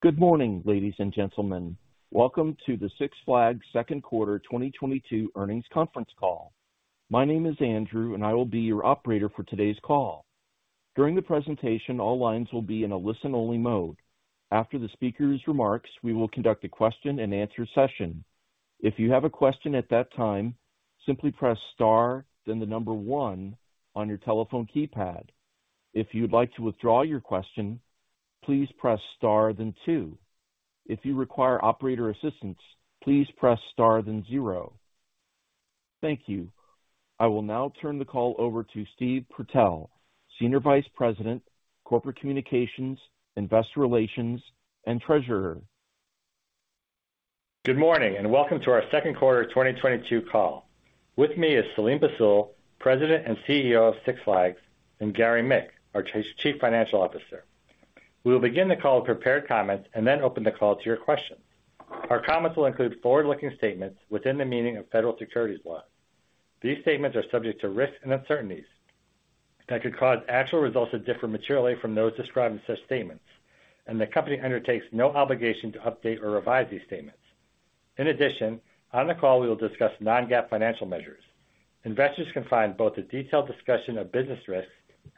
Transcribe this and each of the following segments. Good morning, ladies and gentlemen. Welcome to the Six Flags second quarter 2022 earnings conference call. My name is Andrew, and I will be your operator for today's call. During the presentation, all lines will be in a listen-only mode. After the speaker's remarks, we will conduct a question-and-answer session. If you have a question at that time, simply press star, then the number one on your telephone keypad. If you'd like to withdraw your question, please press star, then two. If you require operator assistance, please press star, then zero. Thank you. I will now turn the call over to Stephen Purtell, Senior Vice President, Corporate Communications, Investor Relations, and Treasurer. Good morning, and welcome to our second quarter 2022 call. With me is Selim Bassoul, President and CEO of Six Flags, and Gary Mick, our Chief Financial Officer. We will begin the call with prepared comments and then open the call to your questions. Our comments will include forward-looking statements within the meaning of federal securities law. These statements are subject to risks and uncertainties that could cause actual results to differ materially from those described in such statements, and the Company undertakes no obligation to update or revise these statements. In addition, on the call we will discuss non-GAAP financial measures. Investors can find both a detailed discussion of business risks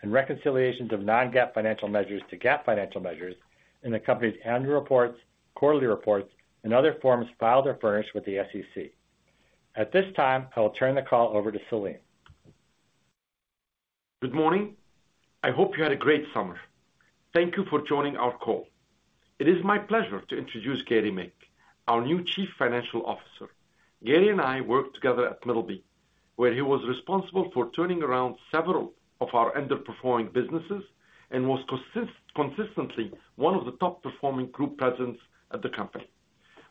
and reconciliations of non-GAAP financial measures to GAAP financial measures in the company's annual reports, quarterly reports, and other forms filed or furnished with the SEC. At this time, I will turn the call over to Selim. Good morning. I hope you had a great summer. Thank you for joining our call. It is my pleasure to introduce Gary Mick, our new Chief Financial Officer. Gary and I worked together at Middleby, where he was responsible for turning around several of our underperforming businesses and was consistently one of the top performing group presidents at the company.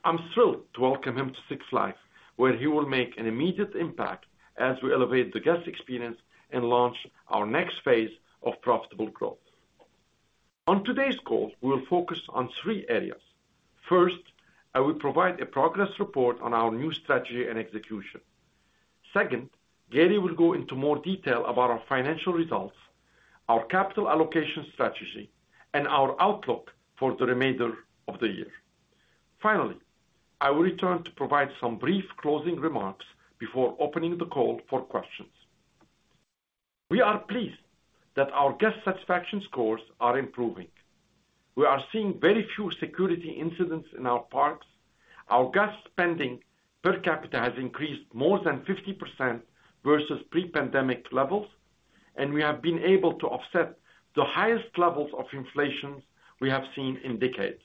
I'm thrilled to welcome him to Six Flags, where he will make an immediate impact as we elevate the guest experience and launch our next phase of profitable growth. On today's call, we will focus on three areas. First, I will provide a progress report on our new strategy and execution. Second, Gary will go into more detail about our financial results, our capital allocation strategy, and our outlook for the remainder of the year. Finally, I will return to provide some brief closing remarks before opening the call for questions. We are pleased that our guest satisfaction scores are improving. We are seeing very few security incidents in our parks. Our guest spending per capita has increased more than 50% versus pre-pandemic levels, and we have been able to offset the highest levels of inflation we have seen in decades.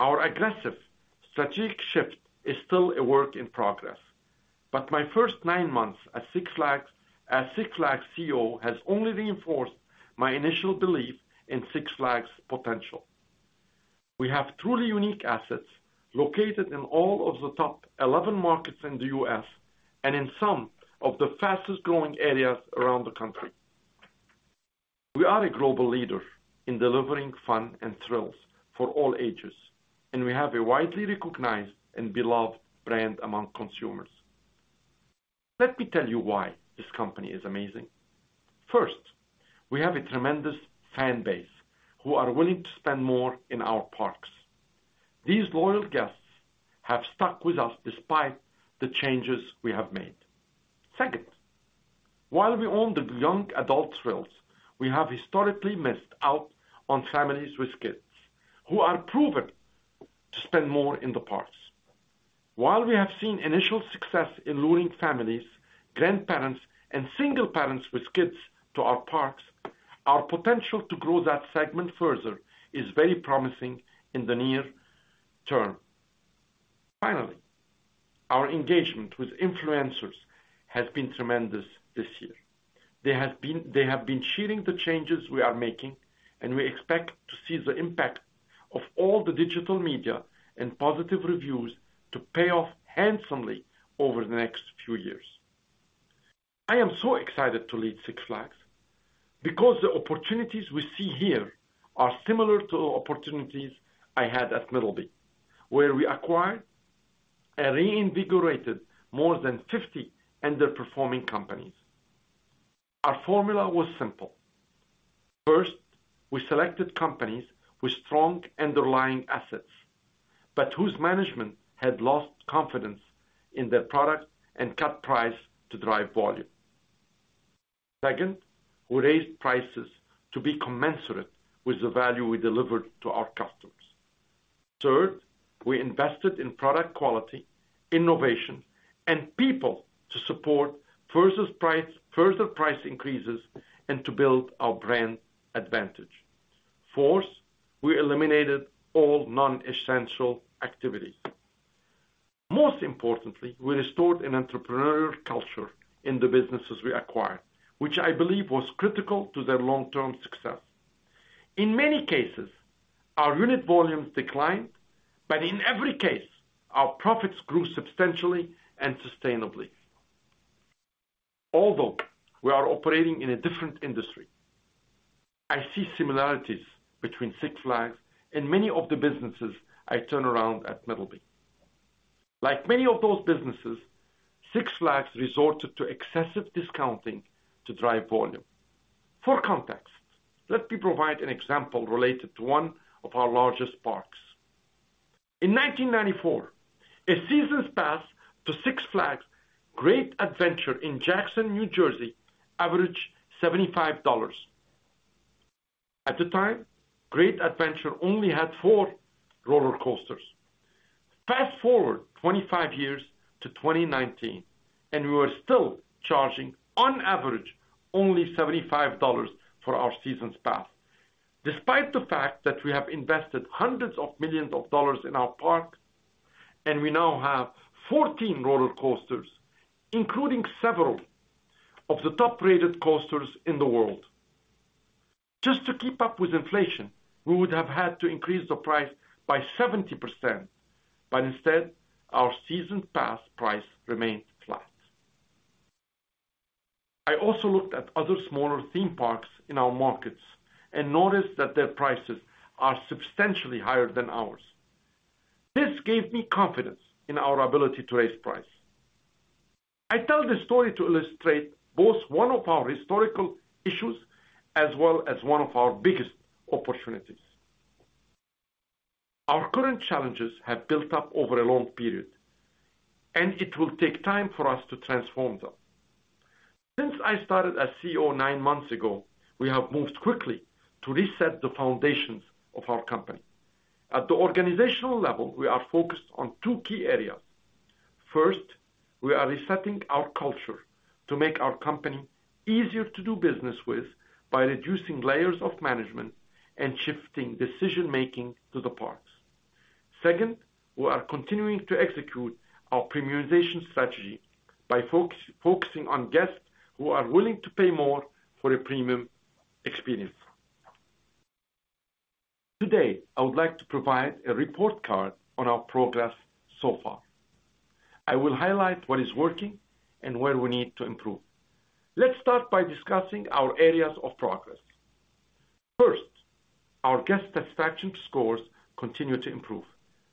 Our aggressive strategic shift is still a work in progress, but my first 9 months at Six Flags, as Six Flags CEO, has only reinforced my initial belief in Six Flags' potential. We have truly unique assets located in all of the top 11 markets in the U.S. and in some of the fastest growing areas around the country. We are a global leader in delivering fun and thrills for all ages, and we have a widely recognized and beloved brand among consumers. Let me tell you why this company is amazing. First, we have a tremendous fan base who are willing to spend more in our parks. These loyal guests have stuck with us despite the changes we have made. Second, while we own the young adult thrills, we have historically missed out on families with kids who are proven to spend more in the parks. While we have seen initial success in luring families, grandparents, and single parents with kids to our parks, our potential to grow that segment further is very promising in the near term. Finally, our engagement with influencers has been tremendous this year. They have been cheering the changes we are making, and we expect to see the impact of all the digital media and positive reviews to pay off handsomely over the next few years. I am so excited to lead Six Flags because the opportunities we see here are similar to opportunities I had at Middleby, where we acquired and reinvigorated more than 50 underperforming companies. Our formula was simple. First, we selected companies with strong underlying assets, but whose management had lost confidence in their product and cut price to drive volume. Second, we raised prices to be commensurate with the value we delivered to our customers. Third, we invested in product quality, innovation, and people to support further price increases and to build our brand advantage. Fourth, we eliminated all non-essential activity. Most importantly, we restored an entrepreneurial culture in the businesses we acquired, which I believe was critical to their long-term success. In many cases, our unit volumes declined, but in every case, our profits grew substantially and sustainably. Although we are operating in a different industry, I see similarities between Six Flags and many of the businesses I turned around at Middleby. Like many of those businesses, Six Flags resorted to excessive discounting to drive volume. For context, let me provide an example related to one of our largest parks. In 1994, a season pass to Six Flags Great Adventure in Jackson, New Jersey, averaged $75. At the time, Great Adventure only had four roller coasters. Fast-forward 25 years to 2019, and we were still charging on average only $75 for our season pass, despite the fact that we have invested hundreds of millions of dollars in our park and we now have 14 roller coasters, including several of the top-rated coasters in the world. Just to keep up with inflation, we would have had to increase the price by 70%, but instead, our season pass price remained flat. I also looked at other smaller theme parks in our markets and noticed that their prices are substantially higher than ours. This gave me confidence in our ability to raise price. I tell this story to illustrate both one of our historical issues as well as one of our biggest opportunities. Our current challenges have built up over a long period, and it will take time for us to transform them. Since I started as CEO nine months ago, we have moved quickly to reset the foundations of our company. At the organizational level, we are focused on two key areas. First, we are resetting our culture to make our company easier to do business with by reducing layers of management and shifting decision-making to the parks. Second, we are continuing to execute our premiumization strategy by focusing on guests who are willing to pay more for a premium experience. Today, I would like to provide a report card on our progress so far. I will highlight what is working and where we need to improve. Let's start by discussing our areas of progress. First, our guest satisfaction scores continue to improve.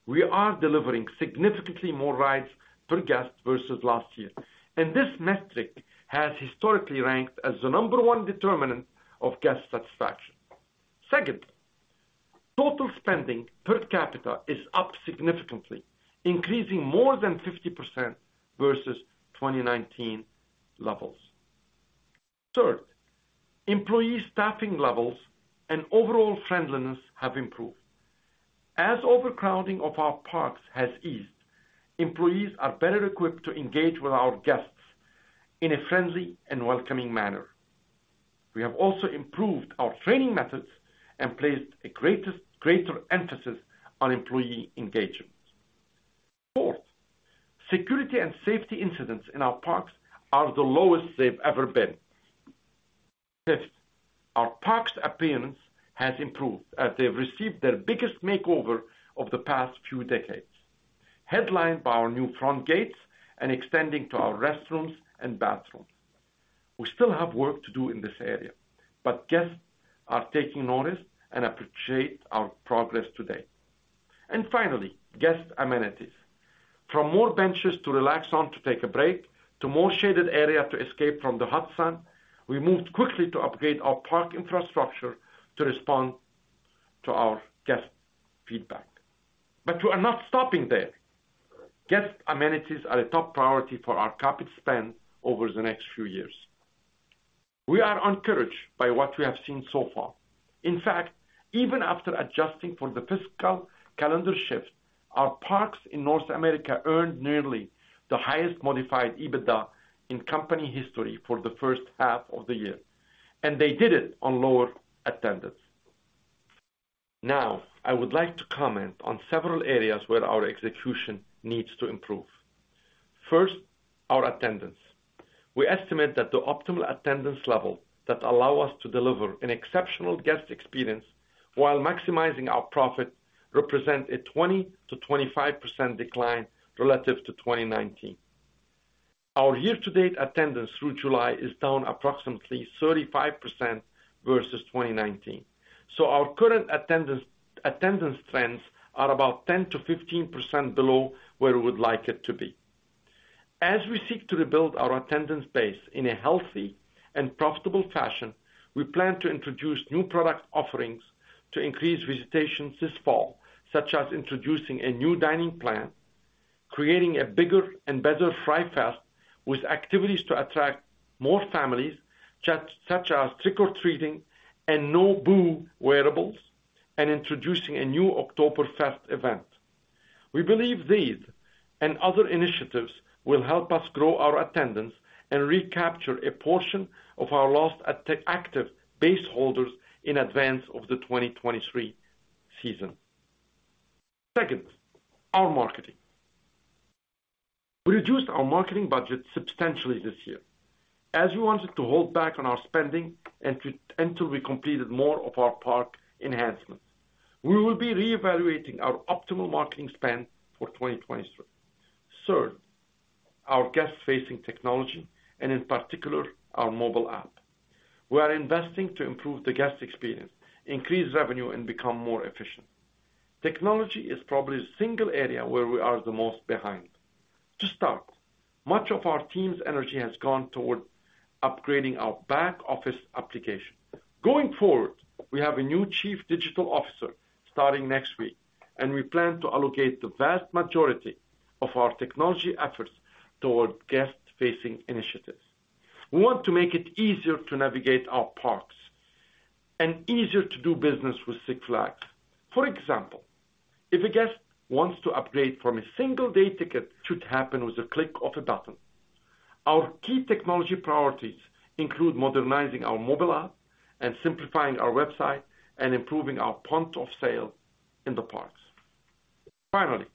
We are delivering significantly more rides per guest versus last year, and this metric has historically ranked as the number one determinant of guest satisfaction. Second, total spending per capita is up significantly, increasing more than 50% versus 2019 levels. Third, employee staffing levels and overall friendliness have improved. As overcrowding of our parks has eased, employees are better equipped to engage with our guests in a friendly and welcoming manner. We have also improved our training methods and placed a greater emphasis on employee engagement. Fourth, security and safety incidents in our parks are the lowest they've ever been. Fifth, our parks' appearance has improved as they've received their biggest makeover of the past few decades, headlined by our new front gates and extending to our restrooms and bathrooms. We still have work to do in this area, but guests are taking notice and appreciate our progress today. Finally, guest amenities. From more benches to relax on to take a break to more shaded area to escape from the hot sun, we moved quickly to upgrade our park infrastructure to respond to our guest feedback. We are not stopping there. Guest amenities are a top priority for our capital spend over the next few years. We are encouraged by what we have seen so far. In fact, even after adjusting for the fiscal calendar shift, our parks in North America earned nearly the highest Modified EBITDA in company history for the first half of the year, and they did it on lower attendance. Now, I would like to comment on several areas where our execution needs to improve. First, our attendance. We estimate that the optimal attendance level that allows us to deliver an exceptional guest experience while maximizing our profit represent a 20%-25% decline relative to 2019. Our year-to-date attendance through July is down approximately 35% versus 2019. Our current attendance trends are about 10%-15% below where we'd like it to be. As we seek to rebuild our attendance base in a healthy and profitable fashion, we plan to introduce new product offerings to increase visitations this fall, such as introducing a new dining plan, creating a bigger and better Fright Fest with activities to attract more families, such as trick-or-treating and No-Boo wearables, and introducing a new Oktoberfest. We believe these and other initiatives will help us grow our attendance and recapture a portion of our lost active base holders in advance of the 2023 season. Second, our marketing. We reduced our marketing budget substantially this year, as we wanted to hold back on our spending until we completed more of our park enhancements. We will be reevaluating our optimal marketing spend for 2023. Third, our guest facing technology and in particular, our mobile app. We are investing to improve the guest experience, increase revenue, and become more efficient. Technology is probably the single area where we are the most behind. To start, much of our team's energy has gone toward upgrading our back-office application. Going forward, we have a new chief digital officer starting next week, and we plan to allocate the vast majority of our technology efforts toward guest-facing initiatives. We want to make it easier to navigate our parks and easier to do business with Six Flags. For example, If a guest wants to upgrade from a single-day ticket, it should happen with a click of a button. Our key technology priorities include modernizing our mobile app and simplifying our website and improving our point of sale in the parks. Finally,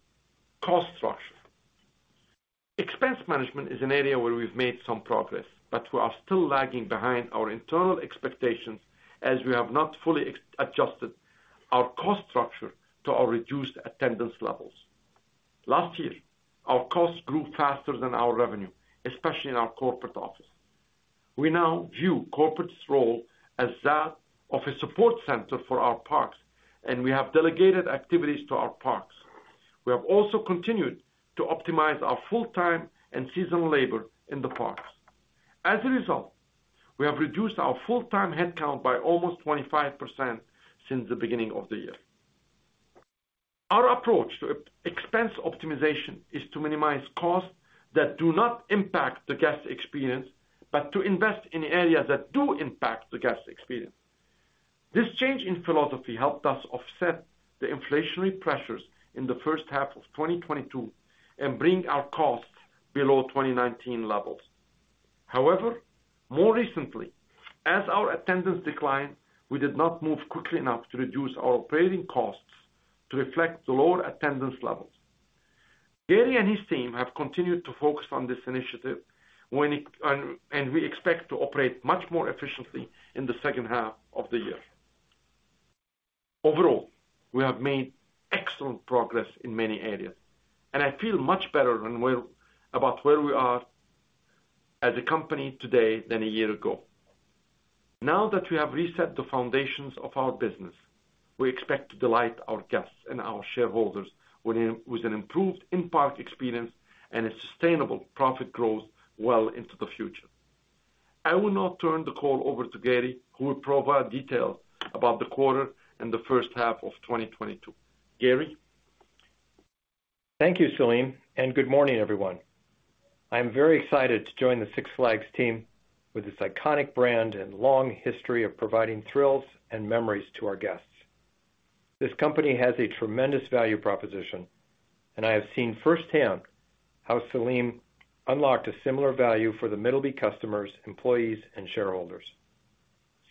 cost structure. Expense management is an area where we've made some progress, but we are still lagging behind our internal expectations as we have not fully adjusted our cost structure to our reduced attendance levels. Last year, our costs grew faster than our revenue, especially in our corporate office. We now view corporate's role as that of a support center for our parks, and we have delegated activities to our parks. We have also continued to optimize our full-time and seasonal labor in the parks. As a result, we have reduced our full-time headcount by almost 25% since the beginning of the year. Our approach to expense optimization is to minimize costs that do not impact the guest experience, but to invest in areas that do impact the guest experience. This change in philosophy helped us offset the inflationary pressures in the first half of 2022 and bring our costs below 2019 levels. However, more recently, as our attendance declined, we did not move quickly enough to reduce our operating costs to reflect the lower attendance levels. Gary and his team have continued to focus on this initiative, and we expect to operate much more efficiently in the second half of the year. Overall, we have made excellent progress in many areas, and I feel much better about where we are as a company today than a year ago. Now that we have reset the foundations of our business, we expect to delight our guests and our shareholders with an improved in-park experience and a sustainable profit growth well into the future. I will now turn the call over to Gary, who will provide details about the quarter and the first half of 2022. Gary? Thank you, Selim, and good morning, everyone. I am very excited to join the Six Flags team with this iconic brand and long history of providing thrills and memories to our guests. This company has a tremendous value proposition, and I have seen firsthand how Selim unlocked a similar value for the Middleby customers, employees, and shareholders.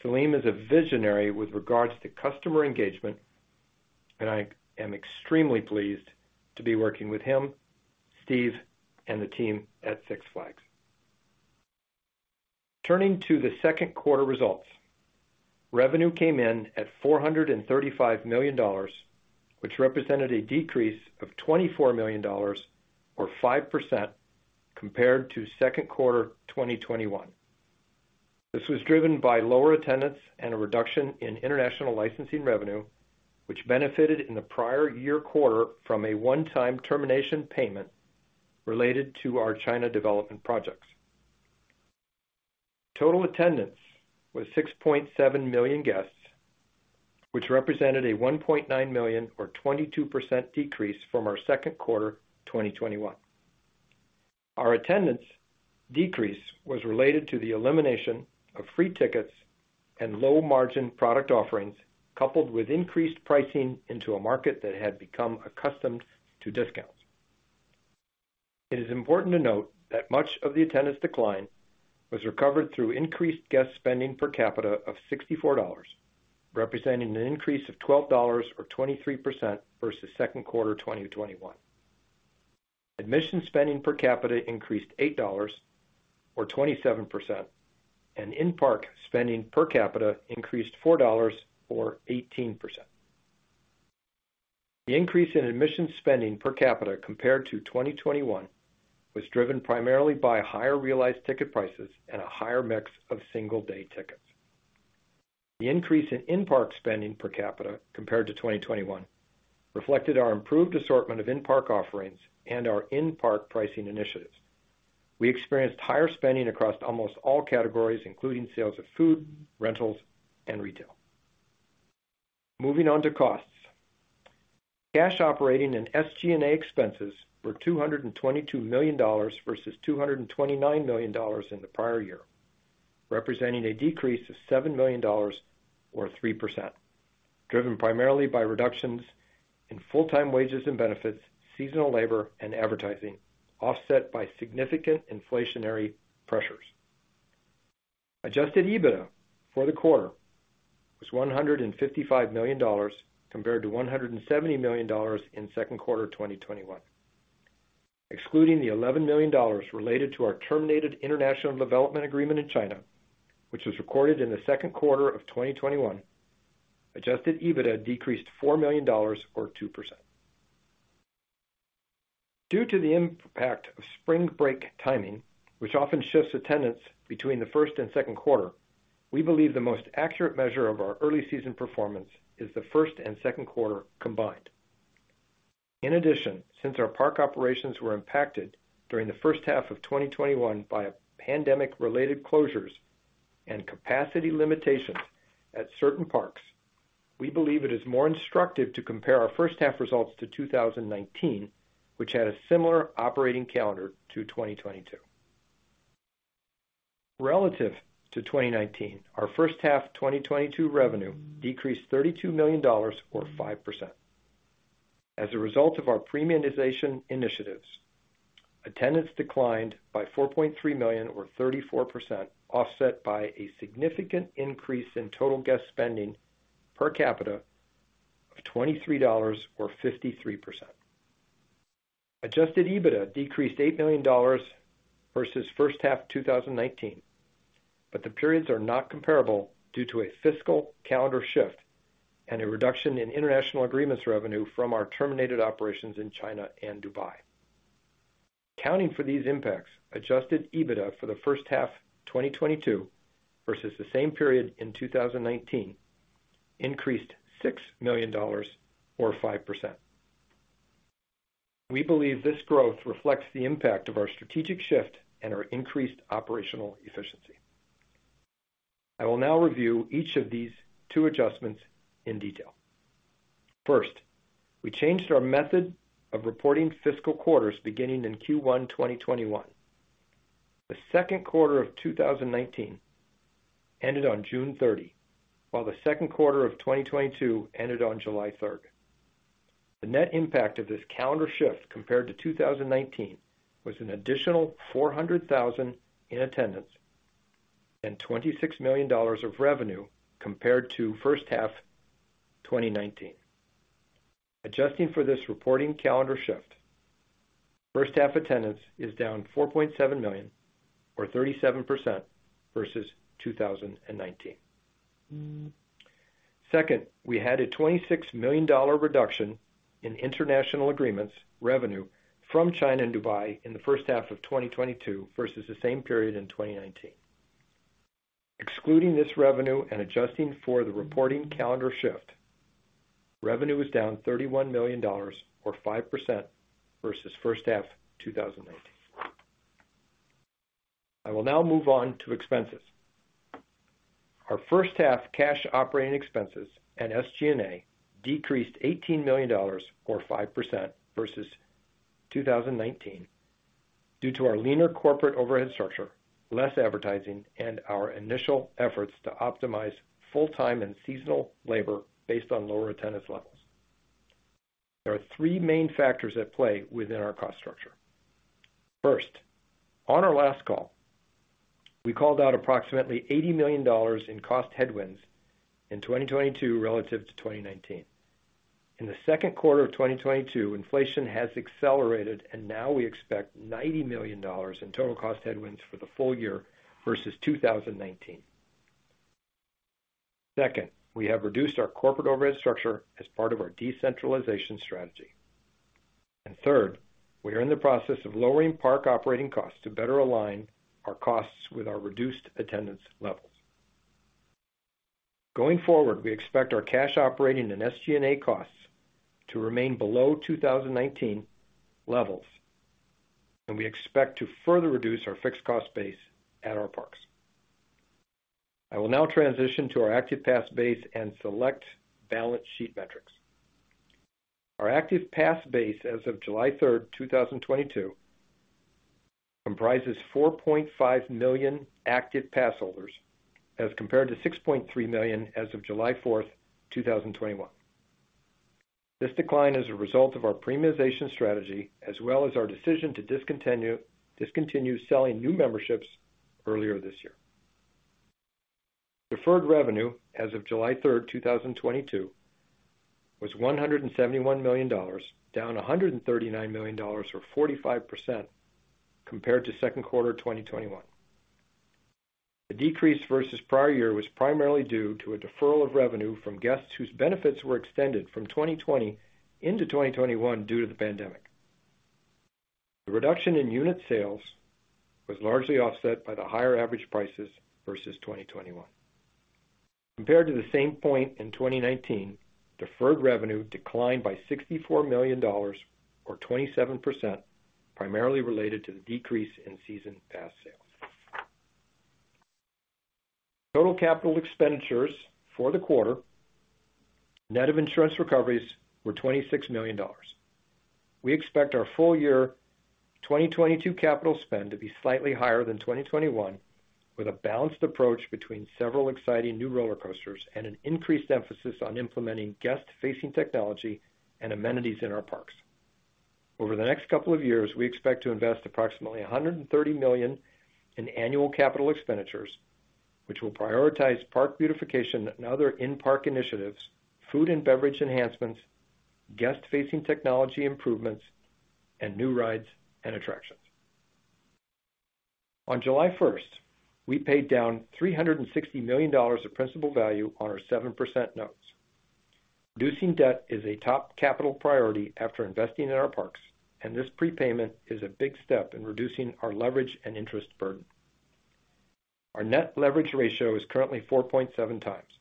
Selim is a visionary with regards to customer engagement, and I am extremely pleased to be working with him, Steve, and the team at Six Flags. Turning to the second quarter results. Revenue came in at $435 million, which represented a decrease of $24 million or 5% compared to second quarter 2021. This was driven by lower attendance and a reduction in international licensing revenue, which benefited in the prior year quarter from a one-time termination payment related to our China development projects. Total attendance was 6.7 million guests, which represented a 1.9 million or 22% decrease from our second quarter 2021. Our attendance decrease was related to the elimination of free tickets and low-margin product offerings, coupled with increased pricing into a market that had become accustomed to discounts. It is important to note that much of the attendance decline was recovered through increased guest spending per capita of $64, representing an increase of $12 or 23% versus second quarter 2021. Admission spending per capita increased $8 or 27%, and in-park spending per capita increased $4 or 18%. The increase in admission spending per capita compared to 2021 was driven primarily by higher realized ticket prices and a higher mix of single-day tickets. The increase in-park spending per capita compared to 2021 reflected our improved assortment of in-park offerings and our in-park pricing initiatives. We experienced higher spending across almost all categories, including sales of food, rentals, and retail. Moving on to costs. Cash operating and SG&A expenses were $222 million versus $229 million in the prior year, representing a decrease of $7 million or 3%, driven primarily by reductions in full-time wages and benefits, seasonal labor, and advertising, offset by significant inflationary pressures. Adjusted EBITDA for the quarter was $155 million compared to $170 million in second quarter 2021. Excluding the $11 million related to our terminated international development agreement in China, which was recorded in the second quarter of 2021, adjusted EBITDA decreased $4 million or 2%. Due to the impact of spring break timing, which often shifts attendance between the first and second quarter, we believe the most accurate measure of our early season performance is the first and second quarter combined. In addition, since our park operations were impacted during the first half of 2021 by pandemic-related closures and capacity limitations at certain parks, we believe it is more instructive to compare our first half results to 2019, which had a similar operating calendar to 2022. Relative to 2019, our first half 2022 revenue decreased $32 million or 5%. As a result of our premiumization initiatives, attendance declined by 4.3 million or 34%, offset by a significant increase in total guest spending per capita of $23 or 53%. Adjusted EBITDA decreased $8 million versus first half 2019, but the periods are not comparable due to a fiscal calendar shift and a reduction in international agreements revenue from our terminated operations in China and Dubai. Accounting for these impacts, adjusted EBITDA for the first half 2022 versus the same period in 2019 increased $6 million or 5%. We believe this growth reflects the impact of our strategic shift and our increased operational efficiency. I will now review each of these two adjustments in detail. First, we changed our method of reporting fiscal quarters beginning in Q1 2021. The second quarter of 2019 ended on June 30, while the second quarter of 2022 ended on July 3. The net impact of this calendar shift compared to 2019 was an additional 400,000 in attendance and $26 million of revenue compared to first half 2019. Adjusting for this reporting calendar shift, first half attendance is down 4.7 million or 37% versus 2019. Second, we had a $26 million reduction in international agreements revenue from China and Dubai in the first half of 2022 versus the same period in 2019. Excluding this revenue and adjusting for the reporting calendar shift, revenue was down $31 million or 5% versus first half 2019. I will now move on to expenses. Our first half cash operating expenses and SG&A decreased $18 million or 5% versus 2019 due to our leaner corporate overhead structure, less advertising, and our initial efforts to optimize full-time and seasonal labor based on lower attendance levels. There are three main factors at play within our cost structure. First, on our last call, we called out approximately $80 million in cost headwinds in 2022 relative to 2019. In the second quarter of 2022, inflation has accelerated, and now we expect $90 million in total cost headwinds for the full year versus 2019. Second, we have reduced our corporate overhead structure as part of our decentralization strategy. Third, we are in the process of lowering park operating costs to better align our costs with our reduced attendance levels. Going forward, we expect our cash operating and SG&A costs to remain below 2019 levels, and we expect to further reduce our fixed cost base at our parks. I will now transition to our active pass base and select balance sheet metrics. Our active pass base as of July 3, 2022, comprises 4.5 million active pass holders as compared to 6.3 million as of July 4, 2021. This decline is a result of our premiumization strategy as well as our decision to discontinue selling new memberships earlier this year. Deferred revenue as of July 3, 2022 was $171 million, down $139 million or 45% compared to second quarter 2021. The decrease versus prior year was primarily due to a deferral of revenue from guests whose benefits were extended from 2020 into 2021 due to the pandemic. The reduction in unit sales was largely offset by the higher average prices versus 2021. Compared to the same point in 2019, deferred revenue declined by $64 million or 27%, primarily related to the decrease in season pass sales. Total capital expenditures for the quarter, net of insurance recoveries, were $26 million. We expect our full year 2022 capital spend to be slightly higher than 2021, with a balanced approach between several exciting new roller coasters and an increased emphasis on implementing guest-facing technology and amenities in our parks. Over the next couple of years, we expect to invest approximately $130 million in annual capital expenditures, which will prioritize park beautification and other in-park initiatives, food and beverage enhancements, guest-facing technology improvements, and new rides and attractions. On July 1st, we paid down $360 million of principal value on our 7% notes. Reducing debt is a top capital priority after investing in our parks, and this prepayment is a big step in reducing our leverage and interest burden. Our net leverage ratio is currently 4.7 times.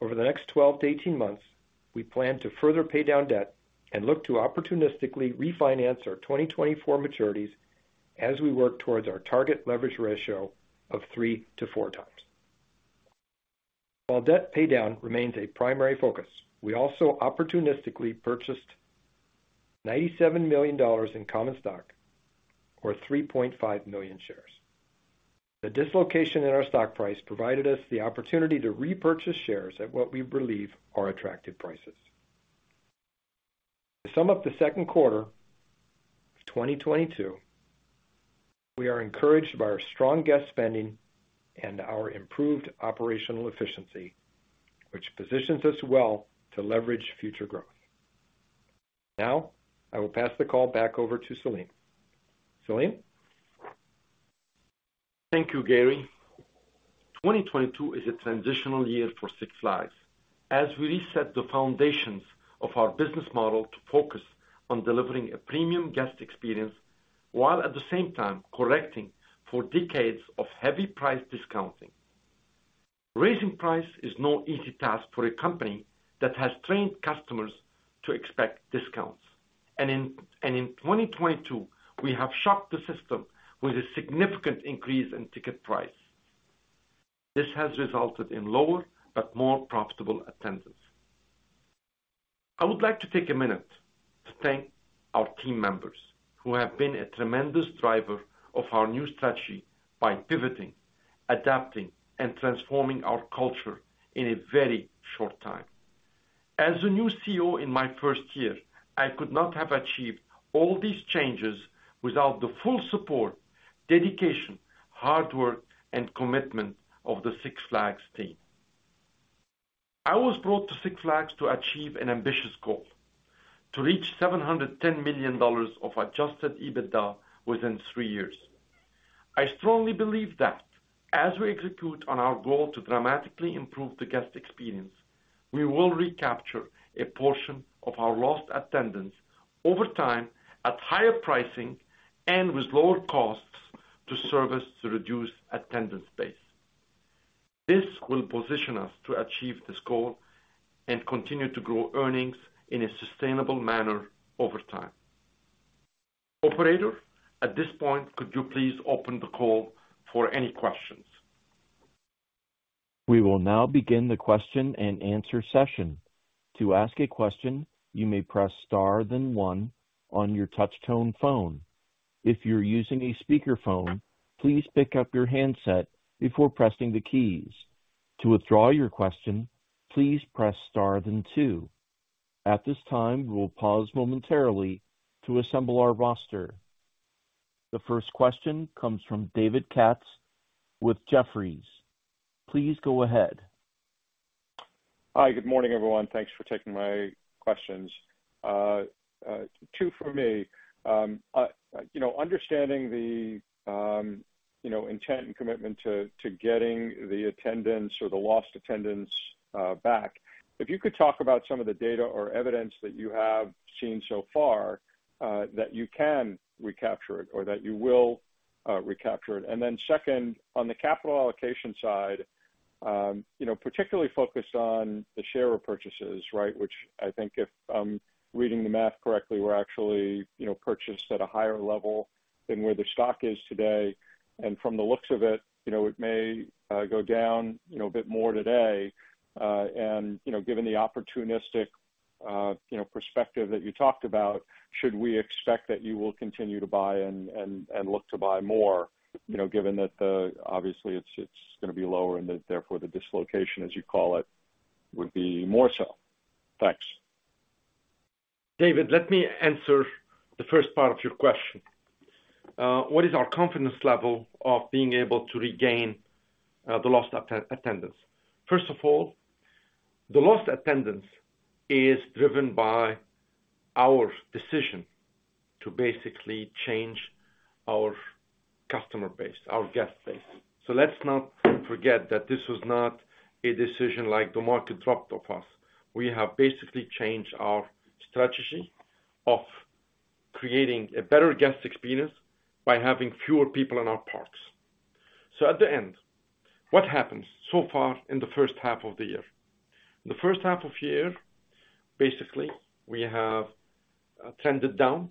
Over the next 12-18 months, we plan to further pay down debt and look to opportunistically refinance our 2024 maturities as we work towards our target leverage ratio of 3-4 times. While debt paydown remains a primary focus, we also opportunistically purchased $97 million in common stock or 3.5 million shares. The dislocation in our stock price provided us the opportunity to repurchase shares at what we believe are attractive prices. To sum up the second quarter of 2022, we are encouraged by our strong guest spending and our improved operational efficiency, which positions us well to leverage future growth. Now, I will pass the call back over to Selim. Selim? Thank you, Gary. 2022 is a transitional year for Six Flags as we reset the foundations of our business model to focus on delivering a premium guest experience, while at the same time correcting for decades of heavy price discounting. Raising price is no easy task for a company that has trained customers to expect discounts. In 2022, we have shocked the system with a significant increase in ticket price. This has resulted in lower but more profitable attendance. I would like to take a minute to thank our team members who have been a tremendous driver of our new strategy by pivoting, adapting, and transforming our culture in a very short time. As a new CEO in my first year, I could not have achieved all these changes without the full support, dedication, hard work, and commitment of the Six Flags team. I was brought to Six Flags to achieve an ambitious goal: to reach $710 million of Adjusted EBITDA within three years. I strongly believe that as we execute on our goal to dramatically improve the guest experience, we will recapture a portion of our lost attendance over time at higher pricing and with lower costs to service the reduced attendance base. This will position us to achieve this goal and continue to grow earnings in a sustainable manner over time. Operator, at this point, could you please open the call for any questions? We will now begin the question-and-answer session. To ask a question, you may press star then one on your touch tone phone. If you're using a speakerphone, please pick up your handset before pressing the keys. To withdraw your question, please press star then two. At this time, we will pause momentarily to assemble our roster. The first question comes from David Katz with Jefferies. Please go ahead. Hi, good morning, everyone. Thanks for taking my questions. Two for me. You know, understanding the intent and commitment to getting the attendance or the lost attendance back, if you could talk about some of the data or evidence that you have seen so far that you can recapture it or that you will recapture it. Second, on the capital allocation side, you know, particularly focused on the share repurchases, right? Which I think if I'm reading the math correctly, were actually purchased at a higher level than where the stock is today. From the looks of it, you know, it may go down a bit more today. You know, given the opportunistic, you know, perspective that you talked about, should we expect that you will continue to buy and look to buy more, you know, given that obviously it's gonna be lower and that therefore the dislocation, as you call it, would be more so? Thanks. David, let me answer the first part of your question. What is our confidence level of being able to regain the lost attendance? First of all, the lost attendance is driven by our decision to basically change our customer base, our guest base. Let's not forget that this was not a decision like the market dropped off us. We have basically changed our strategy of creating a better guest experience by having fewer people in our parks. At the end, what happens so far in the first half of the year? The first half of the year, basically, we have attendance down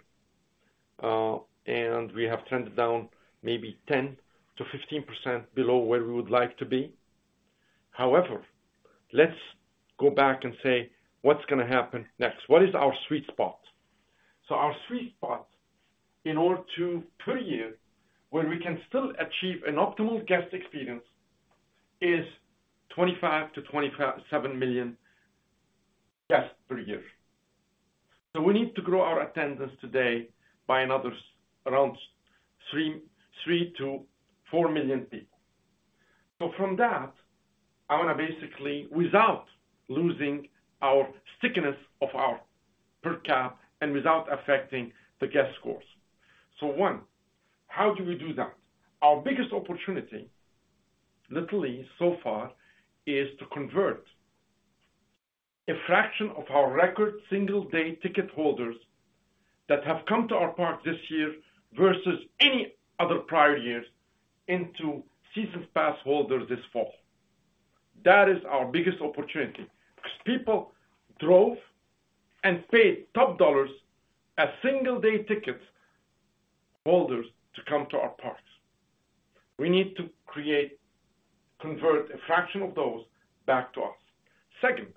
and we have attendance down maybe 10%-15% below where we would like to be. However, let's go back and say, what's gonna happen next? What is our sweet spot? Our sweet spot in order to, per year, where we can still achieve an optimal guest experience is 25-27 million guests per year. We need to grow our attendance today by another around 3-4 million people. From that, I wanna basically, without losing our stickiness of our per capita and without affecting the guest scores. One, how do we do that? Our biggest opportunity, literally so far, is to convert a fraction of our record single day ticket holders that have come to our park this year versus any other prior years into season pass holders this fall. That is our biggest opportunity, because people drove and paid top dollars as single day ticket holders to come to our parks. We need to convert a fraction of those back to us. Second,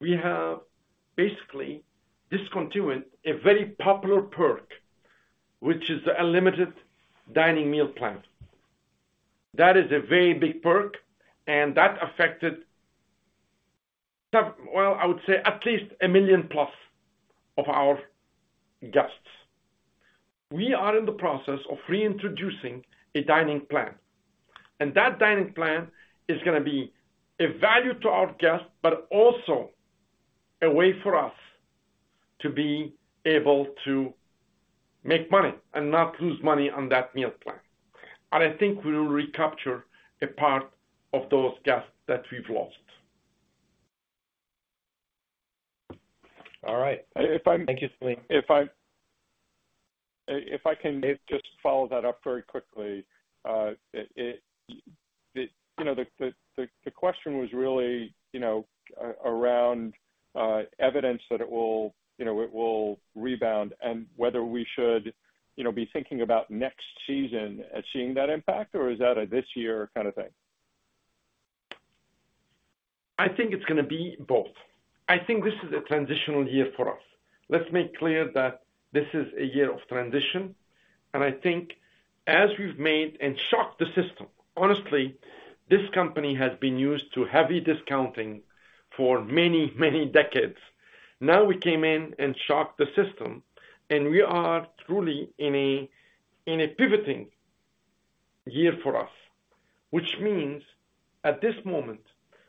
we have basically discontinued a very popular perk, which is the unlimited dining meal plan. That is a very big perk, and that affected some. Well, I would say at least 1 million-plus of our guests. We are in the process of reintroducing a dining plan, and that dining plan is gonna be a value to our guests, but also a way for us to be able to make money and not lose money on that meal plan. I think we will recapture a part of those guests that we've lost. All right. If I- Thank you, Selim. If I can just follow that up very quickly. You know, the question was really, you know, around evidence that it will, you know, it will rebound and whether we should, you know, be thinking about next season as seeing that impact or is that a this year kind of thing? I think it's gonna be both. I think this is a transitional year for us. Let's make clear that this is a year of transition, and I think as we've made and shocked the system. Honestly, this company has been used to heavy discounting for many, many decades. Now, we came in and shocked the system, and we are truly in a pivoting year for us, which means at this moment,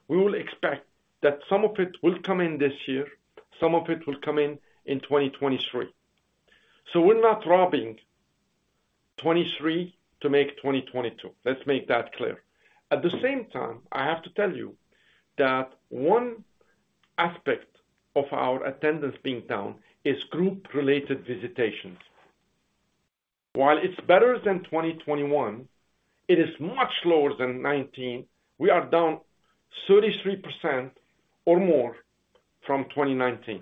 we will expect that some of it will come in this year, some of it will come in in 2023. We're not robbing 2023 to make 2022. Let's make that clear. At the same time, I have to tell you that one aspect of our attendance being down is group-related visitations. While it's better than 2021, it is much lower than 2019. We are down 33% or more from 2019.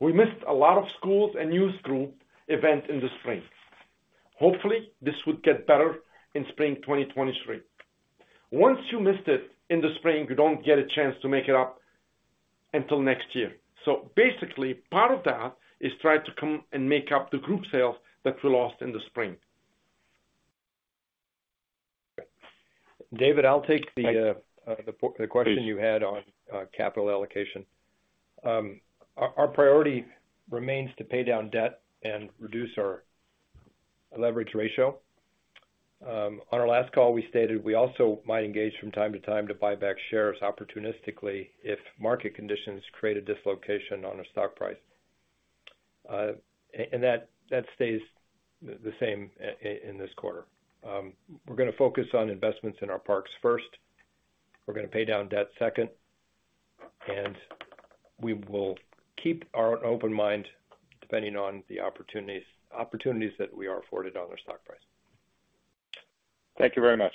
We missed a lot of schools and youth group event in the spring. Hopefully, this would get better in spring 2023. Once you missed it in the spring, you don't get a chance to make it up until next year. Basically, part of that is try to come and make up the group sales that we lost in the spring. David, I'll take the question you had on capital allocation. Our priority remains to pay down debt and reduce our leverage ratio. On our last call, we stated we also might engage from time to time to buy back shares opportunistically if market conditions create a dislocation on our stock price. That stays the same in this quarter. We're gonna focus on investments in our parks first. We're gonna pay down debt second. We will keep our open mind depending on the opportunities that we are afforded on our stock price. Thank you very much.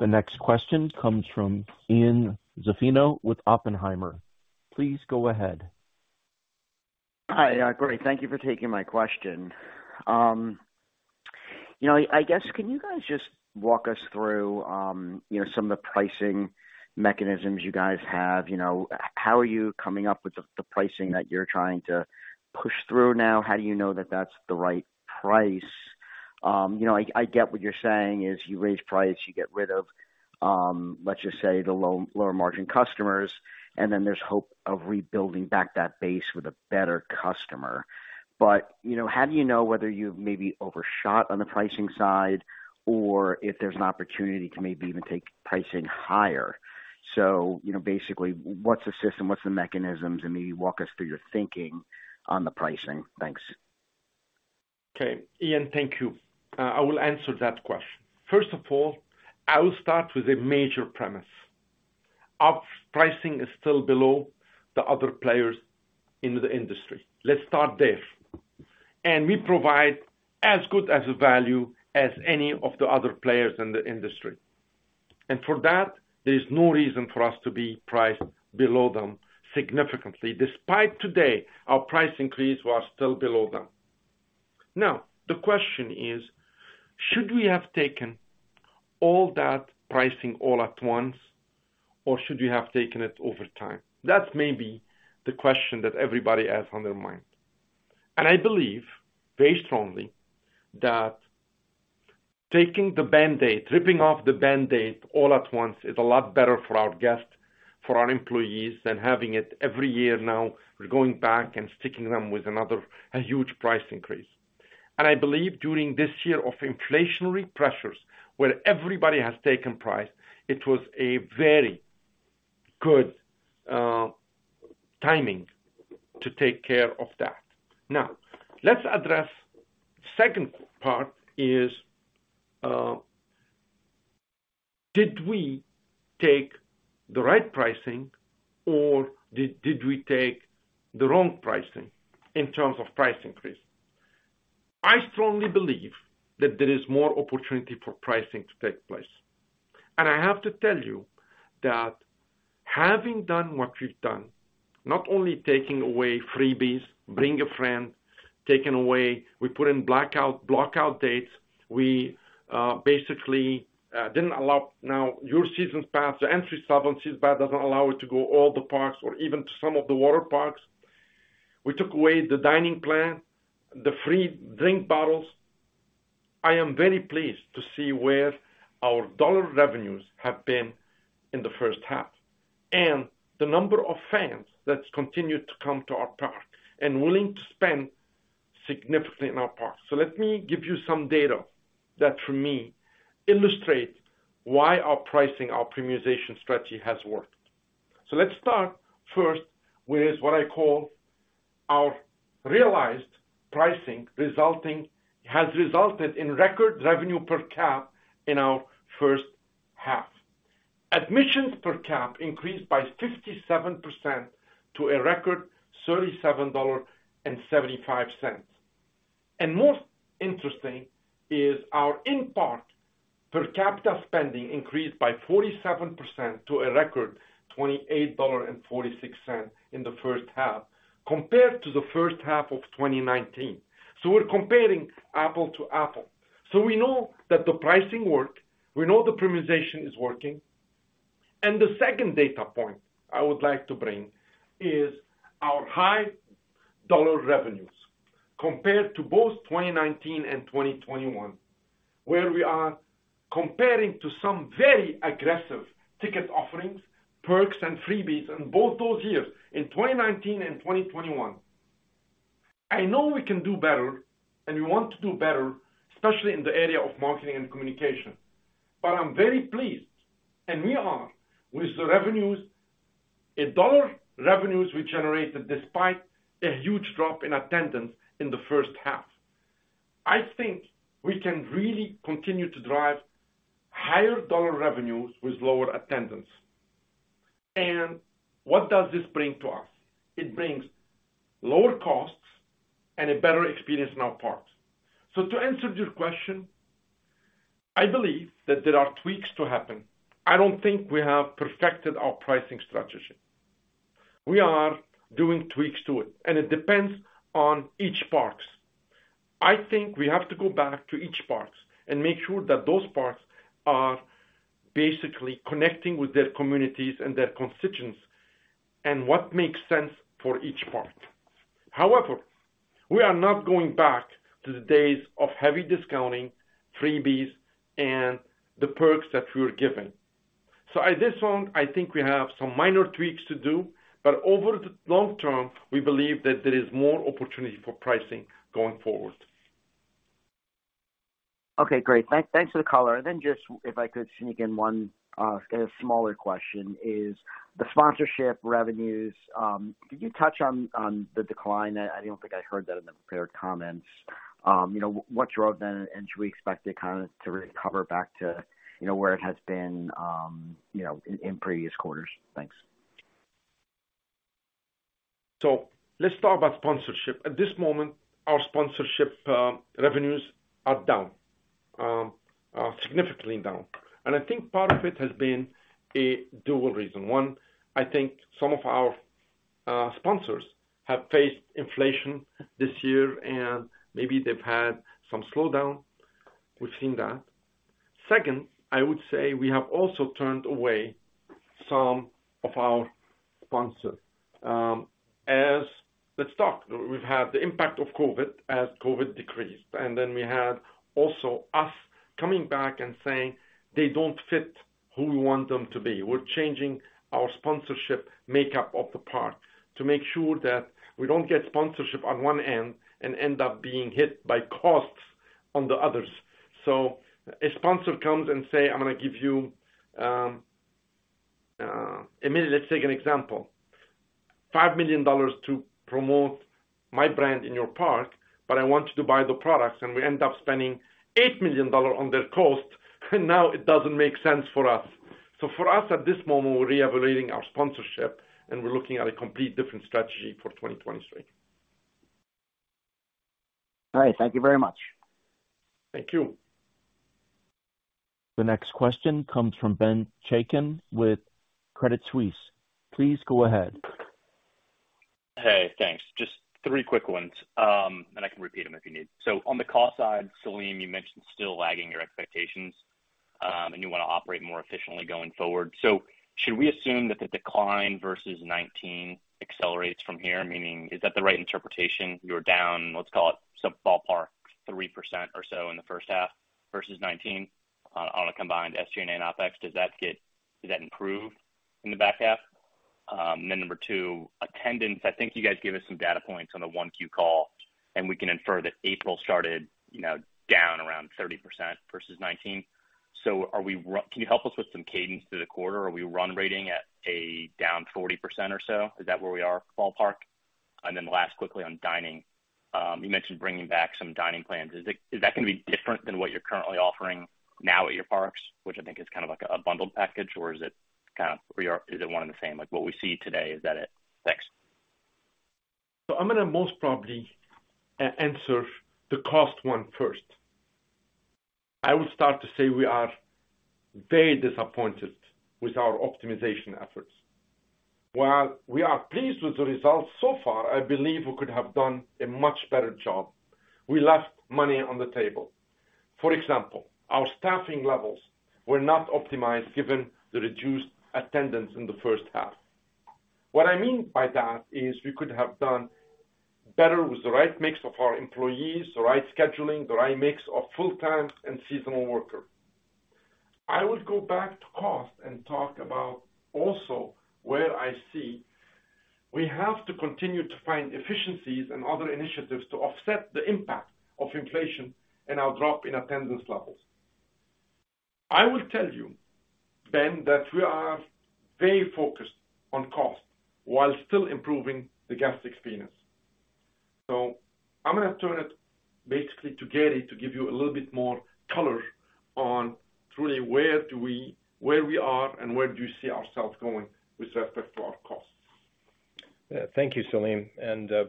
The next question comes from Ian Zaffino with Oppenheimer. Please go ahead. Hi. Great. Thank you for taking my question. You know, I guess, can you guys just walk us through, you know, some of the pricing mechanisms you guys have? You know, how are you coming up with the pricing that you're trying to push through now? How do you know that that's the right price? You know, I get what you're saying is you raise price, you get rid of, let's just say, the lower margin customers, and then there's hope of rebuilding back that base with a better customer. You know, how do you know whether you've maybe overshot on the pricing side or if there's an opportunity to maybe even take pricing higher? You know, basically what's the system, what's the mechanisms, and maybe walk us through your thinking on the pricing. Thanks. Okay. Ian, thank you. I will answer that question. First of all, I will start with a major premise. Our pricing is still below the other players in the industry. Let's start there. We provide as good a value as any of the other players in the industry. For that, there's no reason for us to be priced below them significantly, despite today our price increase was still below them. Now, the question is: Should we have taken all that pricing all at once, or should we have taken it over time? That's maybe the question that everybody has on their mind. I believe very strongly that taking the Band-Aid, ripping off the Band-Aid all at once is a lot better for our guests, for our employees than having it every year. Now, we're going back and sticking them with another huge price increase. I believe during this year of inflationary pressures, where everybody has taken price, it was a very good timing to take care of that. Now, let's address second part, did we take the right pricing or did we take the wrong pricing in terms of price increase? I strongly believe that there is more opportunity for pricing to take place. I have to tell you that having done what we've done, not only taking away freebies, bring a friend, we put in blockout dates. We basically didn't allow. Now your season pass, the entry-level season pass doesn't allow you to go all the parks or even to some of the water parks. We took away the dining plan, the free drink bottles. I am very pleased to see where our dollar revenues have been in the first half and the number of fans that continue to come to our park and willing to spend significantly in our parks. Let me give you some data that for me illustrate why our pricing, our premiumization strategy has worked. Let's start first with what I call our realized pricing has resulted in record revenue per capita in our first half. Admissions per capita increased by 57% to a record $37.75. Most interesting is our in-park per capita spending increased by 47% to a record $28.46 in the first half compared to the first half of 2019. We're comparing apples to apples. We know that the pricing work, we know the premiumization is working. The second data point I would like to bring is our high dollar revenues compared to both 2019 and 2021, where we are comparing to some very aggressive ticket offerings, perks, and freebies in both those years, in 2019 and 2021. I know we can do better, and we want to do better, especially in the area of marketing and communication. I'm very pleased, and we are, with the revenues, in dollar revenues we generated despite a huge drop in attendance in the first half. I think we can really continue to drive higher dollar revenues with lower attendance. What does this bring to us? It brings lower costs and a better experience in our parks. To answer your question, I believe that there are tweaks to happen. I don't think we have perfected our pricing strategy. We are doing tweaks to it, and it depends on each park. I think we have to go back to each park and make sure that those parks are basically connecting with their communities and their constituents and what makes sense for each park. However, we are not going back to the days of heavy discounting, freebies, and the perks that we were given. At this moment, I think we have some minor tweaks to do, but over the long term, we believe that there is more opportunity for pricing going forward. Okay, great. Thanks for the color. Then just if I could sneak in one smaller question, is the sponsorship revenues, could you touch on the decline? I don't think I heard that in the prepared comments. You know, what's your opinion, and should we expect it kinda to recover back to, you know, where it has been, in previous quarters? Thanks. Let's talk about sponsorship. At this moment, our sponsorship revenues are down, are significantly down. I think part of it has been a dual reason. One, I think some of our sponsors have faced inflation this year, and maybe they've had some slowdown. We've seen that. Second, I would say we have also turned away some of our sponsors. As the shock, we've had the impact of COVID as COVID decreased, and then we had also us coming back and saying they don't fit who we want them to be. We're changing our sponsorship makeup of the park to make sure that we don't get sponsorship on one end and end up being hit by costs on the others. A sponsor comes and say, "I'm gonna give you..." I mean, let's take an example. $5 million to promote my brand in your park, but I want you to buy the products, and we end up spending $8 million on their cost, and now it doesn't make sense for us. For us, at this moment, we're reevaluating our sponsorship, and we're looking at a complete different strategy for 2023. All right. Thank you very much. Thank you. The next question comes from Ben Chaiken with Credit Suisse. Please go ahead. Hey, thanks. Just three quick ones, and I can repeat them if you need. On the cost side, Selim, you mentioned still lagging your expectations. And you wanna operate more efficiently going forward. Should we assume that the decline versus 2019 accelerates from here? Meaning, is that the right interpretation? You're down, let's call it some ballpark 3% or so in the first half versus 2019 on a combined SG&A and OpEx. Did that improve in the back half? And then number two, attendance. I think you guys gave us some data points on the 1Q call, and we can infer that April started down around 30% versus 2019. Can you help us with some cadence through the quarter? Are we run-rate at a down 40% or so? Is that where we are ballpark? Then last, quickly on dining. You mentioned bringing back some dining plans. Is that gonna be different than what you're currently offering now at your parks, which I think is kind of like a bundled package, or is it kind of one and the same, like what we see today, is that it? Thanks. I'm gonna most probably answer the cost one first. I would start to say we are very disappointed with our optimization efforts. While we are pleased with the results so far, I believe we could have done a much better job. We left money on the table. For example, our staffing levels were not optimized given the reduced attendance in the first half. What I mean by that is we could have done better with the right mix of our employees, the right scheduling, the right mix of full-time and seasonal worker. I would go back to cost and talk about also where I see we have to continue to find efficiencies and other initiatives to offset the impact of inflation and our drop in attendance levels. I will tell you, Ben, that we are very focused on cost while still improving the guest experience. I'm gonna turn it basically to Gary to give you a little bit more color on truly where we are and where do you see ourselves going with respect to our costs. Yeah. Thank you, Selim.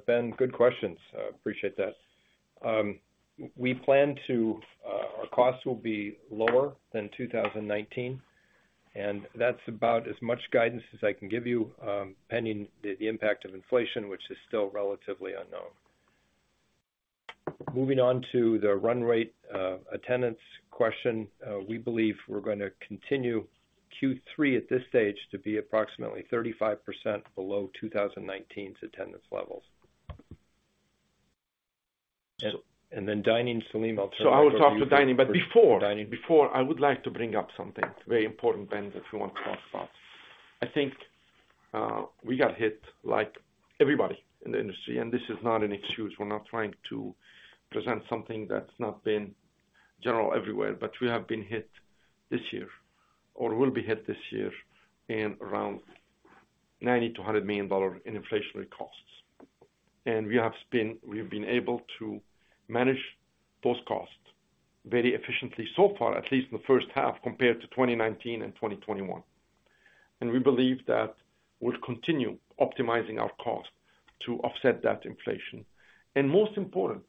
Ben, good questions. I appreciate that. Our costs will be lower than 2019, and that's about as much guidance as I can give you, pending the impact of inflation, which is still relatively unknown. Moving on to the run rate attendance question, we believe we're gonna continue Q3 at this stage to be approximately 35% below 2019's attendance levels. So- Dining, Selim, I'll turn it over to you. I will talk to dining, but before. Dining. Before, I would like to bring up something very important, Ben, if you want to crosstalk. I think we got hit like everybody in the industry, and this is not an excuse. We're not trying to present something that's not been general everywhere. We have been hit this year, or will be hit this year in around $90-$100 million in inflationary costs. We've been able to manage those costs very efficiently so far, at least in the first half, compared to 2019 and 2021. We believe that we'll continue optimizing our cost to offset that inflation. Most important,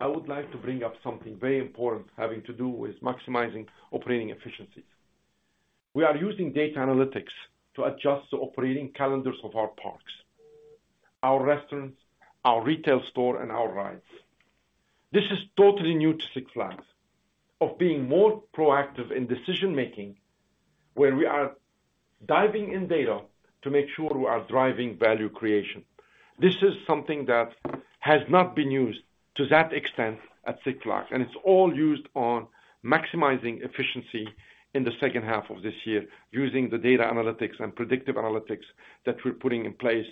I would like to bring up something very important having to do with maximizing operating efficiencies. We are using data analytics to adjust the operating calendars of our parks, our restaurants, our retail store and our rides. This is totally new to Six Flags of being more proactive in decision-making, where we are diving in data to make sure we are driving value creation. This is something that has not been used to that extent at Six Flags, and it's all used on maximizing efficiency in the second half of this year, using the data analytics and predictive analytics that we're putting in place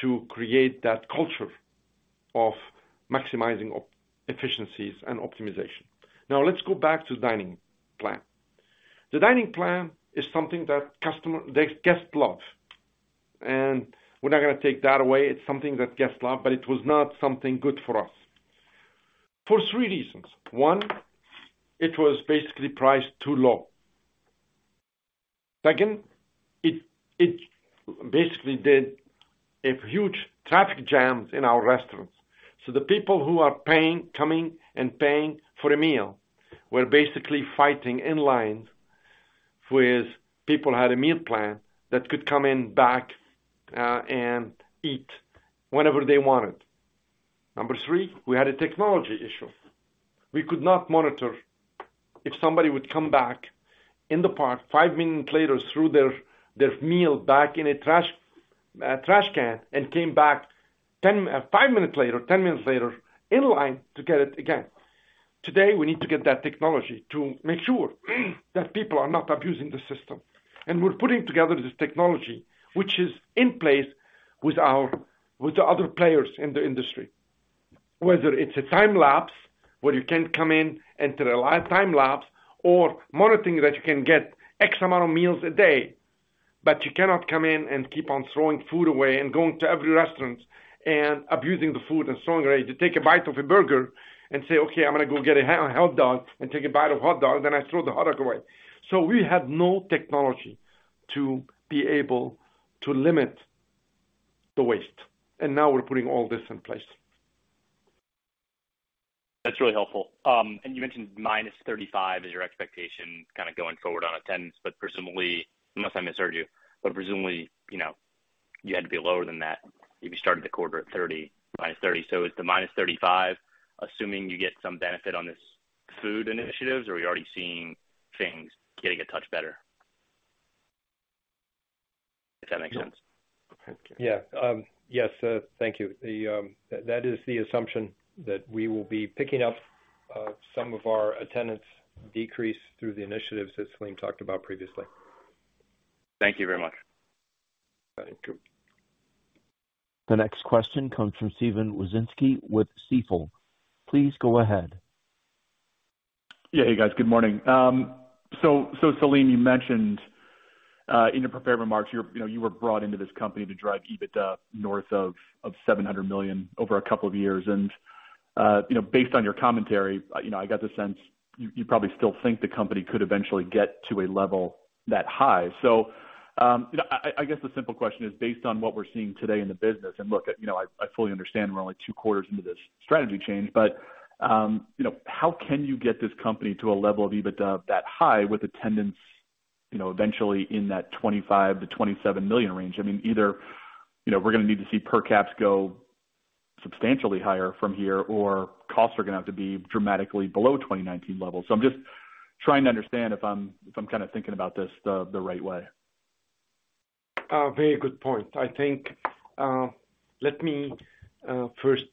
to create that culture of maximizing efficiencies and optimization. Now let's go back to dining plan. The dining plan is something that guests love, and we're not gonna take that away. It's something that guests love, but it was not something good for us. For three reasons. One, it was basically priced too low. Second, it basically did a huge traffic jams in our restaurants. The people who are paying, coming and paying for a meal were basically fighting in lines with people who had a meal plan that could come in back, and eat whenever they wanted. Number three, we had a technology issue. We could not monitor if somebody would come back in the park five minutes later, threw their meal back in a trash can and came back five minutes later, ten minutes later in line to get it again. Today, we need to get that technology to make sure that people are not abusing the system. We're putting together this technology, which is in place with the other players in the industry. Whether it's a time lapse, where you can come in enter a live time lapse or monitoring that you can get X amount of meals a day, but you cannot come in and keep on throwing food away and going to every restaurant and abusing the food and throwing away. You take a bite of a burger and say, "Okay, I'm gonna go get a hot dog," and take a bite of hot dog, then I throw the hot dog away. We had no technology to be able to limit the waste, and now we're putting all this in place. That's really helpful. You mentioned -35% is your expectation kinda going forward on attendance, but presumably, unless I misheard you had to be lower than that if you started the quarter at -30%. Is the -35%, assuming you get some benefit on this food initiatives, or are you already seeing things getting a touch better? If that makes sense. Yeah. Yes, thank you. That is the assumption that we will be picking up some of our attendance decrease through the initiatives that Selim talked about previously. Thank you very much. Thank you. The next question comes from Steven Wieczynski with Stifel. Please go ahead. Yeah. Hey, guys. Good morning. So, Selim, you mentioned in your prepared remarks, you know, you were brought into this company to drive EBITDA north of $700 million over a couple of years. You know, based on your commentary, you know, I got the sense you probably still think the company could eventually get to a level that high. I guess the simple question is based on what we're seeing today in the business, you know, I fully understand we're only two quarters into this strategy change, but you know, how can you get this company to a level of EBITDA that high with attendance, you know, eventually in that 25-27 million range? I mean, either, you know, we're gonna need to see per caps go substantially higher from here, or costs are gonna have to be dramatically below 2019 levels. I'm just trying to understand if I'm kinda thinking about this the right way? Very good point. I think, let me first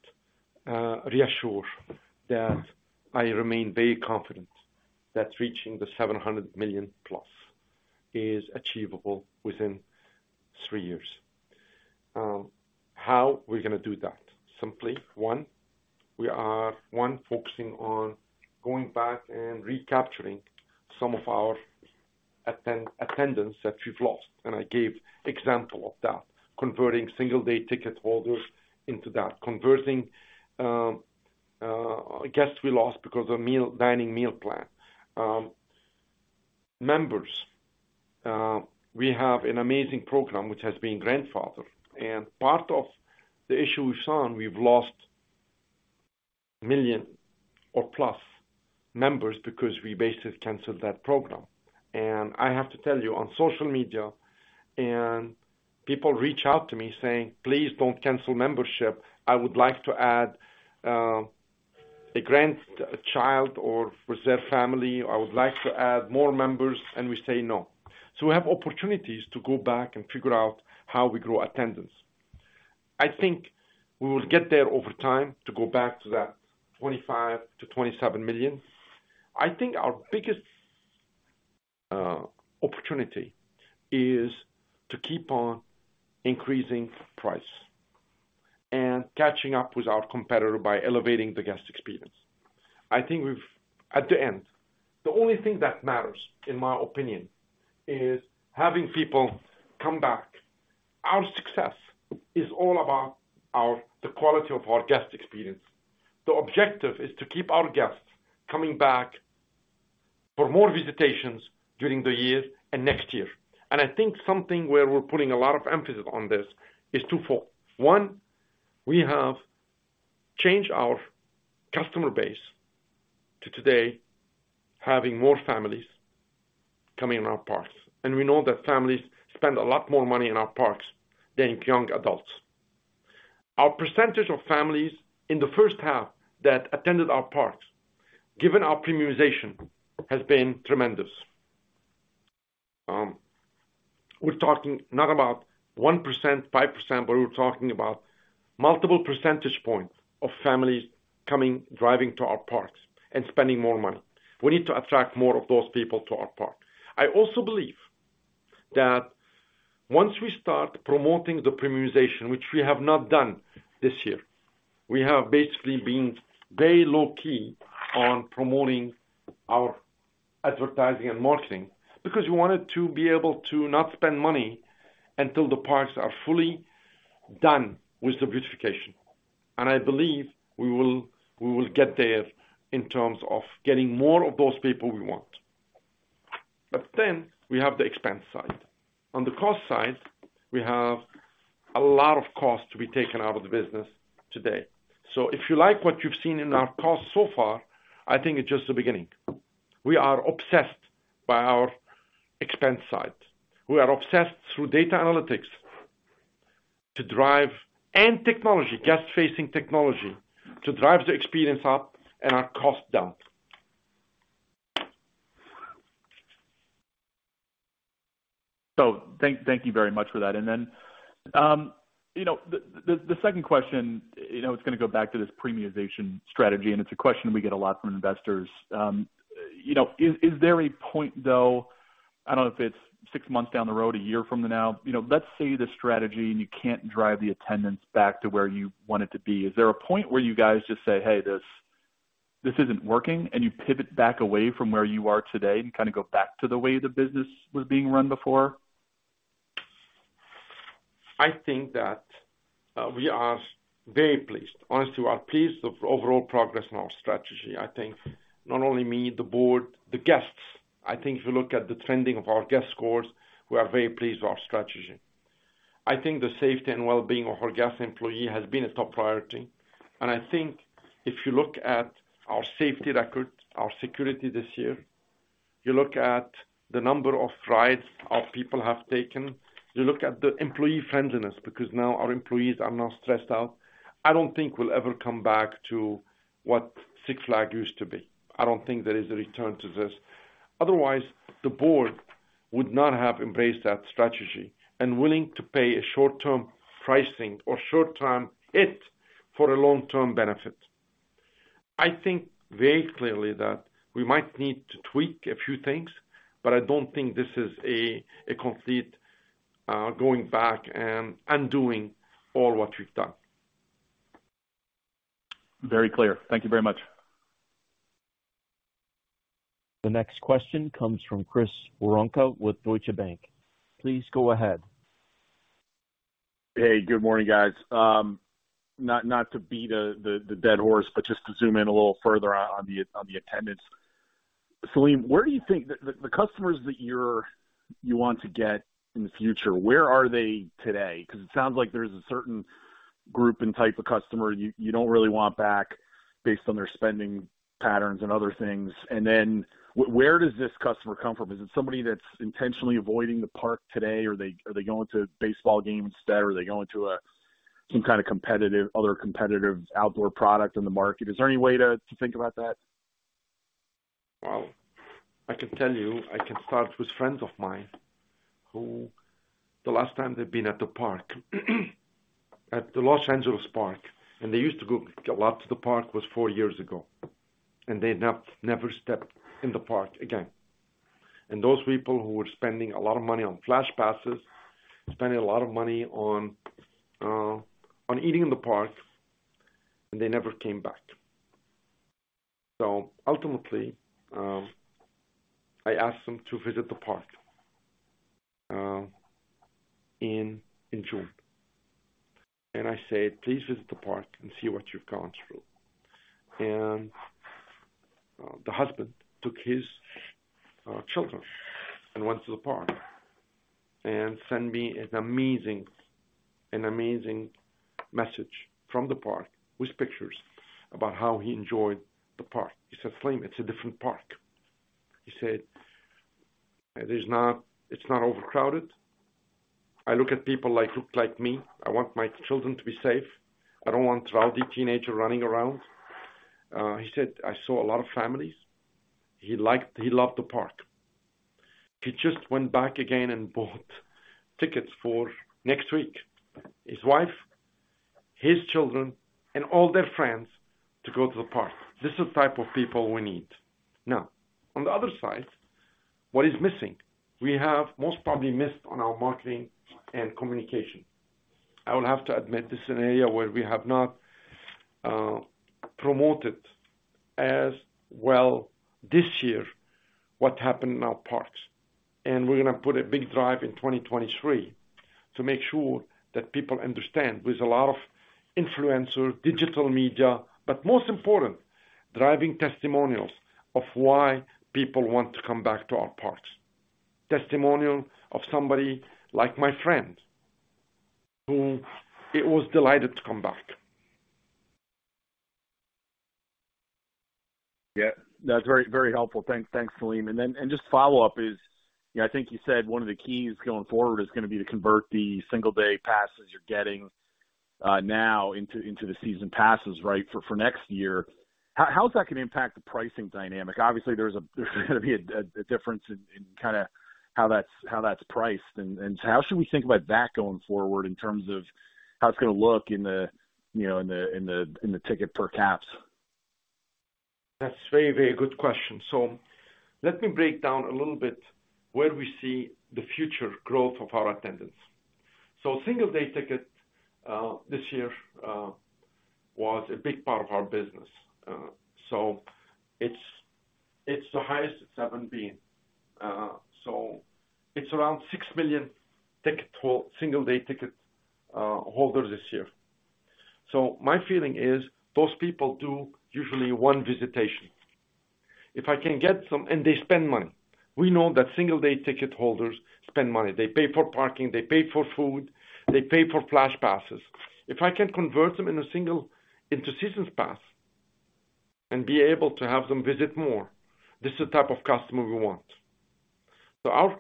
reassure that I remain very confident that reaching the $700 million+ is achievable within 3 years. How we're gonna do that? Simply, one, focusing on going back and recapturing some of our attendance that we've lost, and I gave example of that, converting single day ticket holders into that, converting guests we lost because of dining meal plan. Members, we have an amazing program which has been grandfathered, and part of the issue we've shown, we've lost a million or plus members because we basically canceled that program. I have to tell you, on social media and people reach out to me saying, "Please don't cancel membership. I would like to add a grandchild or reserve family. I would like to add more members," and we say, no. We have opportunities to go back and figure out how we grow attendance. I think we will get there over time to go back to that 25-27 million. I think our biggest opportunity is to keep on increasing price and catching up with our competitor by elevating the guest experience. At the end, the only thing that matters, in my opinion, is having people come back. Our success is all about our the quality of our guest experience. The objective is to keep our guests coming back for more visitations during the year and next year. I think something where we're putting a lot of emphasis on this is twofold. One, we have changed our customer base to today having more families coming in our parks. We know that families spend a lot more money in our parks than young adults. Our percentage of families in the first half that attended our parks, given our premiumization, has been tremendous. We're talking not about 1%, 5%, but we're talking about multiple percentage points of families coming, driving to our parks and spending more money. We need to attract more of those people to our park. I also believe that once we start promoting the premiumization, which we have not done this year, we have basically been very low key on promoting our advertising and marketing because we wanted to be able to not spend money until the parks are fully done with the beautification. I believe we will get there in terms of getting more of those people we want. Then we have the expense side. On the cost side, we have a lot of costs to be taken out of the business today. If you like what you've seen in our costs so far, I think it's just the beginning. We are obsessed by our expense side. We are obsessed through data analytics to drive and technology, guest-facing technology, to drive the experience up and our cost down. Thank you very much for that. You know, the second question, you know, it's gonna go back to this premiumization strategy, and it's a question we get a lot from investors. You know, is there a point, though, I don't know if it's six months down the road, a year from now, you know, let's say the strategy and you can't drive the attendance back to where you want it to be. Is there a point where you guys just say, "Hey, this isn't working," and you pivot back away from where you are today and kinda go back to the way the business was being run before? I think that we are very pleased. Honestly, we are pleased of overall progress in our strategy. I think not only me, the board, the guests. I think if you look at the trending of our guest scores, we are very pleased with our strategy. I think the safety and well-being of our guests and employees has been a top priority. I think if you look at our safety record, our security this year. You look at the number of rides our people have taken. You look at the employee friendliness, because now our employees are not stressed out. I don't think we'll ever come back to what Six Flags used to be. I don't think there is a return to this. Otherwise, the board would not have embraced that strategy and willing to pay a short-term pricing or short-term hit for a long-term benefit. I think very clearly that we might need to tweak a few things, but I don't think this is a complete going back and undoing all what we've done. Very clear. Thank you very much. The next question comes from Chris Woronka with Deutsche Bank. Please go ahead. Hey, good morning, guys. Not to beat the dead horse, but just to zoom in a little further on the attendance. Selim, where do you think the customers that you want to get in the future, where are they today? Because it sounds like there's a certain group and type of customer you don't really want back based on their spending patterns and other things. Where does this customer come from? Is it somebody that's intentionally avoiding the park today, or are they going to baseball games instead? Are they going to some kinda other competitive outdoor product in the market? Is there any way to think about that? Well, I can tell you, I can start with friends of mine who the last time they've been at the park, at the Los Angeles park, and they used to go a lot to the park, was four years ago, and they have never stepped in the park again. Those people who were spending a lot of money on Flash Pass, spending a lot of money on eating in the park, and they never came back. Ultimately, I asked them to visit the park in June. I said, "Please visit the park and see what you've gone through." The husband took his children and went to the park and sent me an amazing message from the park with pictures about how he enjoyed the park. He said, "Selim, it's a different park." He said, "It is not, it's not overcrowded. I look at people like who look like me. I want my children to be safe. I don't want rowdy teenager running around." He said, "I saw a lot of families." He liked. He loved the park. He just went back again and bought tickets for next week. His wife, his children, and all their friends to go to the park. This is the type of people we need. Now, on the other side, what is missing? We have most probably missed on our marketing and communication. I will have to admit this is an area where we have not promoted as well this year, what happened in our parks. We're gonna put a big drive in 2023 to make sure that people understand with a lot of influencer, digital media, but most important, driving testimonials of why people want to come back to our parks. Testimonial of somebody like my friend, who was delighted to come back. Yeah. That's very, very helpful. Thanks. Thanks, Selim. Just follow up is, you know, I think you said one of the keys going forward is gonna be to convert the single-day passes you're getting now into the season passes, right, for next year. How's that gonna impact the pricing dynamic? Obviously, there's gonna be a difference in kinda how that's priced. How should we think about that going forward in terms of how it's gonna look in the, you know, in the ticket per capita? That's a very, very good question. Let me break down a little bit where we see the future growth of our attendance. Single-day ticket this year was a big part of our business. It's the highest it's ever been. It's around 6 million single-day ticket holders this year. My feeling is those people do usually one visitation. If I can get some and they spend money. We know that single-day ticket holders spend money. They pay for parking, they pay for food, they pay for Flash Pass. If I can convert them into season pass and be able to have them visit more, this is the type of customer we want. Our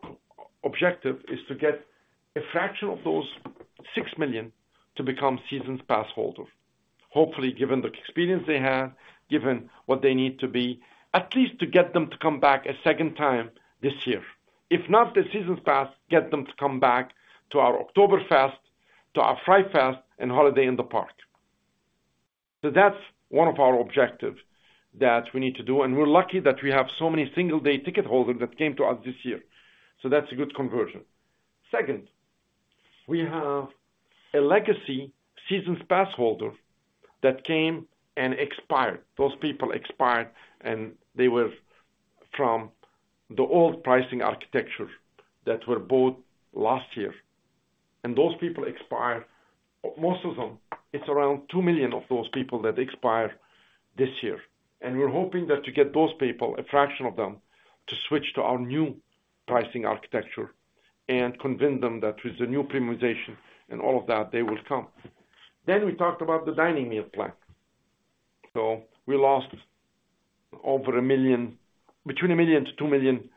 objective is to get a fraction of those 6 million to become season pass holder. Hopefully, given the experience they have, given what they need to be, at least to get them to come back a second time this year. If not the Season Pass, get them to come back to our Oktoberfest, to our Fright Fest, and Holiday in the Park. That's one of our objective that we need to do. We're lucky that we have so many single day ticket holders that came to us this year. That's a good conversion. Second, we have a legacy Season Pass holder that came and expired. Those people expired, and they were from the old pricing architecture that were bought last year. Those people expired, most of them. It's around 2 million of those people that expired this year. We're hoping that to get those people, a fraction of them, to switch to our new pricing architecture and convince them that with the new premiumization and all of that, they will come. We talked about the dining meal plan. We lost over 1 million, between 1 million-2 million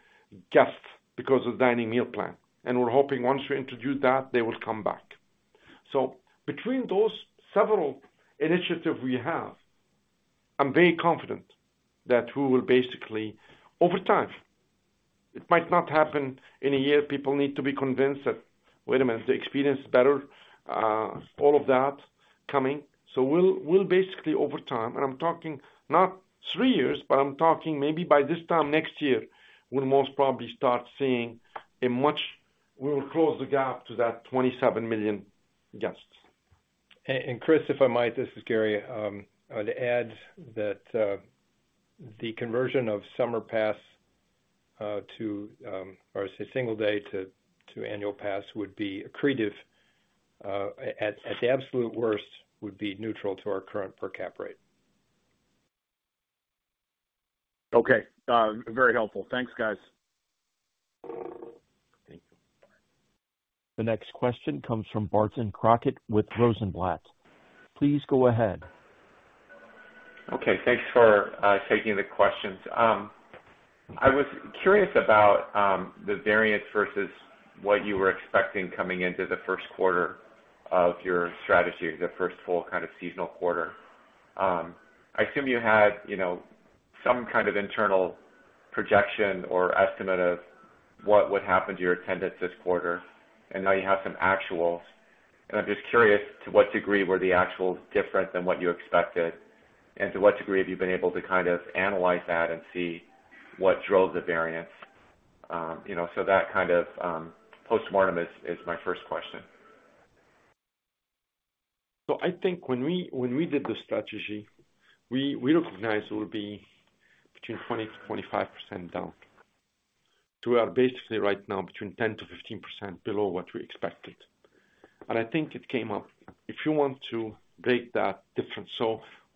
guests because of dining meal plan. We're hoping once we introduce that, they will come back. Between those several initiatives we have, I'm very confident that we will basically, over time, it might not happen in a year. People need to be convinced that, wait a minute, the experience is better, all of that coming. We'll basically over time, and I'm talking not three years, but I'm talking maybe by this time next year, we'll most probably start seeing a much. We'll close the gap to that 27 million guests. Chris, if I might, this is Gary. I would add that the conversion of summer pass to, or say, single day to annual pass would be accretive. At the absolute worst, would be neutral to our current per capita rate. Okay. Very helpful. Thanks, guys. Thank you. The next question comes from Barton Crockett with Rosenblatt. Please go ahead. Okay. Thanks for taking the questions. I was curious about the variance versus what you were expecting coming into the first quarter of your strategy, the first full kind of seasonal quarter. I assume you had, you know, some kind of internal projection or estimate of what would happen to your attendance this quarter, and now you have some actuals. I'm just curious to what degree were the actuals different than what you expected, and to what degree have you been able to kind of analyze that and see what drove the variance? You know, that kind of postmortem is my first question. I think when we did the strategy, we recognized it would be between 20%-25% down. We are basically right now between 10%-15% below what we expected. I think it came up. If you want to break that difference.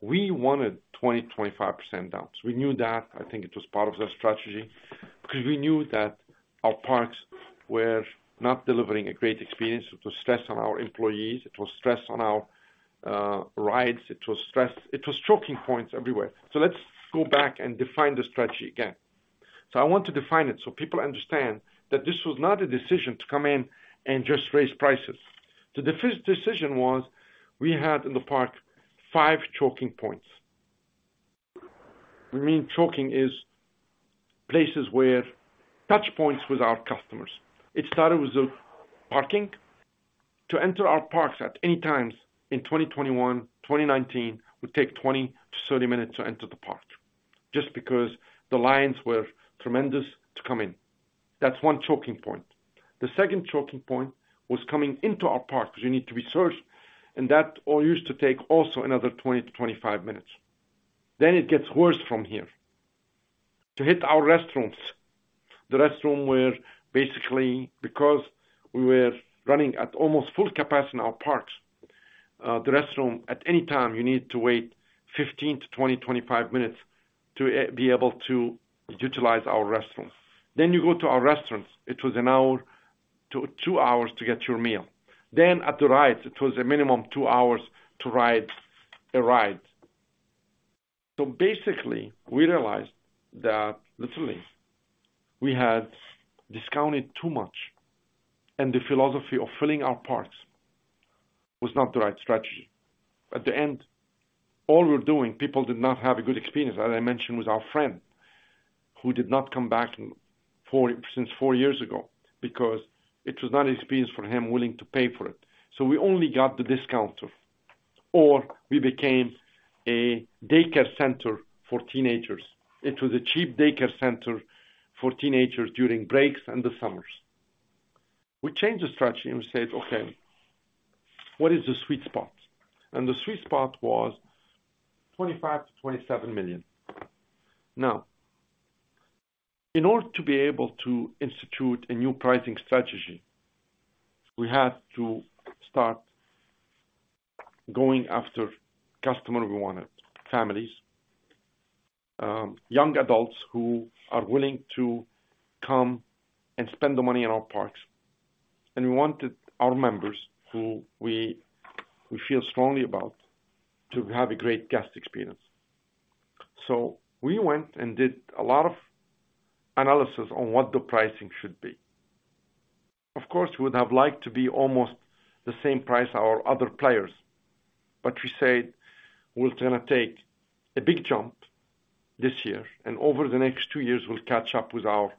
We wanted 20%-25% down. We knew that, I think it was part of the strategy, because we knew that our parks were not delivering a great experience. It was stress on our employees, it was stress on our rides, it was stress. It was choking points everywhere. Let's go back and define the strategy again. I want to define it so people understand that this was not a decision to come in and just raise prices. The first decision was we had in the park five choking points. We mean chokepoints are places where touchpoints with our customers. It started with the parking. To enter our parks at any time in 2021, 2019 would take 20-30 minutes to enter the park just because the lines were tremendous to come in. That's one chokepoint. The second chokepoint was coming into our parks 'cause you need to be searched, and that all used to take also another 20-25 minutes. It gets worse from here. To hit our restaurants, the restrooms were basically because we were running at almost full capacity in our parks, the restrooms at any time you need to wait 15-25 minutes to be able to utilize our restaurants. You go to our restaurants, it was 1-2 hours to get your meal. At the rides, it was a minimum two hours to ride a ride. Basically, we realized that literally, we had discounted too much, and the philosophy of filling our parks was not the right strategy. At the end, all we're doing, people did not have a good experience, as I mentioned, with our friend, who did not come back since four years ago because it was not an experience for him willing to pay for it. We only got the discounter, or we became a daycare center for teenagers. It was a cheap daycare center for teenagers during breaks and the summers. We changed the strategy and we said, "Okay, what is the sweet spot?" The sweet spot was 25-27 million. Now, in order to be able to institute a new pricing strategy, we had to start going after customer we wanted. Families, young adults who are willing to come and spend the money in our parks. We wanted our members, who we feel strongly about, to have a great guest experience. We went and did a lot of analysis on what the pricing should be. Of course, we would have liked to be almost the same price as our other players, but we said, "We're gonna take a big jump this year, and over the next two years, we'll catch up with our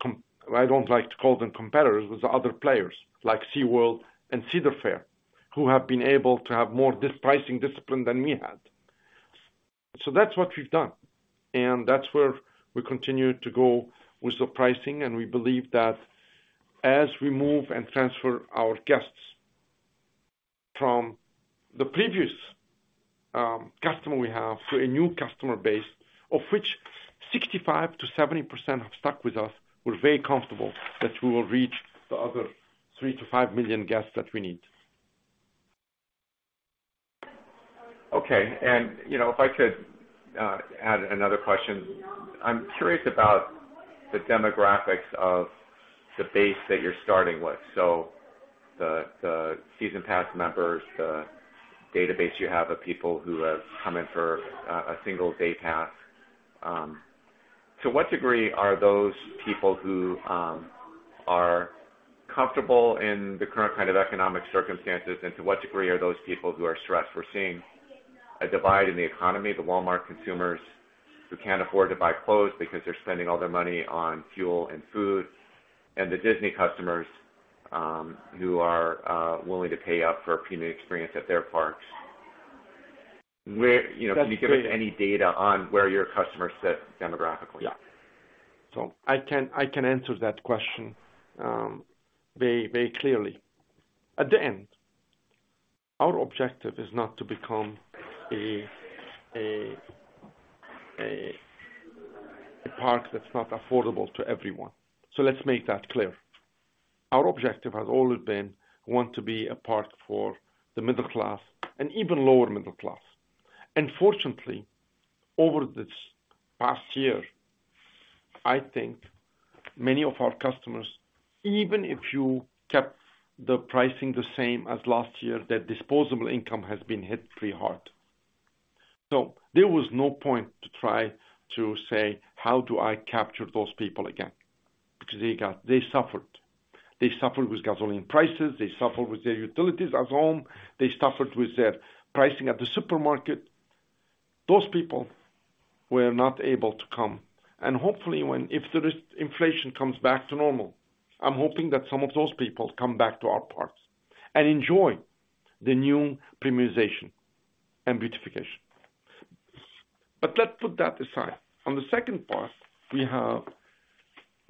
com." I don't like to call them competitors, with the other players like SeaWorld and Cedar Fair, who have been able to have more pricing discipline than we had. That's what we've done, and that's where we continue to go with the pricing, and we believe that as we move and transfer our guests from the previous customer we have to a new customer base, of which 65%-70% have stuck with us, we're very comfortable that we will reach the other 3-5 million guests that we need. Okay. You know, if I could add another question. I'm curious about the demographics of the base that you're starting with. The season pass members, the database you have of people who have come in for a single day pass. To what degree are those people who are comfortable in the current kind of economic circumstances, and to what degree are those people who are stressed? We're seeing a divide in the economy, the Walmart consumers who can't afford to buy clothes because they're spending all their money on fuel and food, and the Disney customers who are willing to pay up for a premium experience at their parks. Where you know, can you give us any data on where your customers sit demographically? Yeah. I can answer that question very clearly. At the end, our objective is not to become a park that's not affordable to everyone. Let's make that clear. Our objective has always been we want to be a park for the middle class and even lower middle class. Fortunately, over this past year, I think many of our customers, even if you kept the pricing the same as last year, their disposable income has been hit pretty hard. There was no point to try to say, "How do I capture those people again?" Because they suffered. They suffered with gasoline prices, they suffered with their utilities at home, they suffered with their prices at the supermarket. Those people were not able to come. Hopefully when inflation comes back to normal, I'm hoping that some of those people come back to our parks and enjoy the new premiumization and beautification. Let's put that aside. On the second part,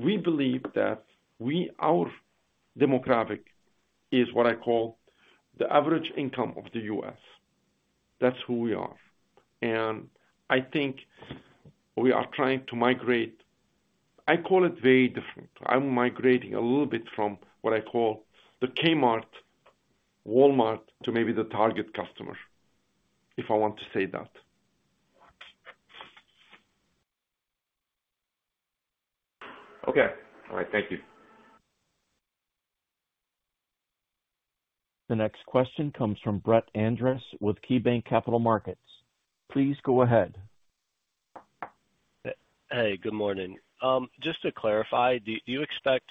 we believe that our demographic is what I call the average income of the U.S. That's who we are. I think we are trying to migrate. I call it very different. I'm migrating a little bit from what I call the Kmart, Walmart to maybe the Target customer, if I want to say that. Okay. All right. Thank you. The next question comes from Brett Andress with KeyBanc Capital Markets. Please go ahead. Hey, good morning. Just to clarify, do you expect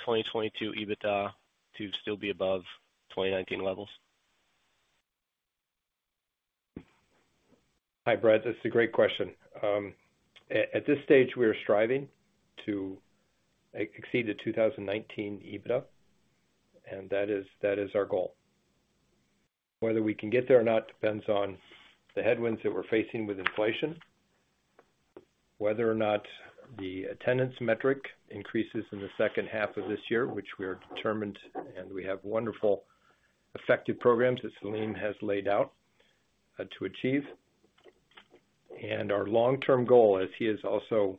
2022 EBITDA to still be above 2019 levels? Hi, Brett. That's a great question. At this stage, we are striving to exceed the 2019 EBITDA, and that is our goal. Whether we can get there or not depends on the headwinds that we're facing with inflation, whether or not the attendance metric increases in the second half of this year, which we are determined, and we have wonderful effective programs that Selim has laid out to achieve. Our long-term goal, as he has also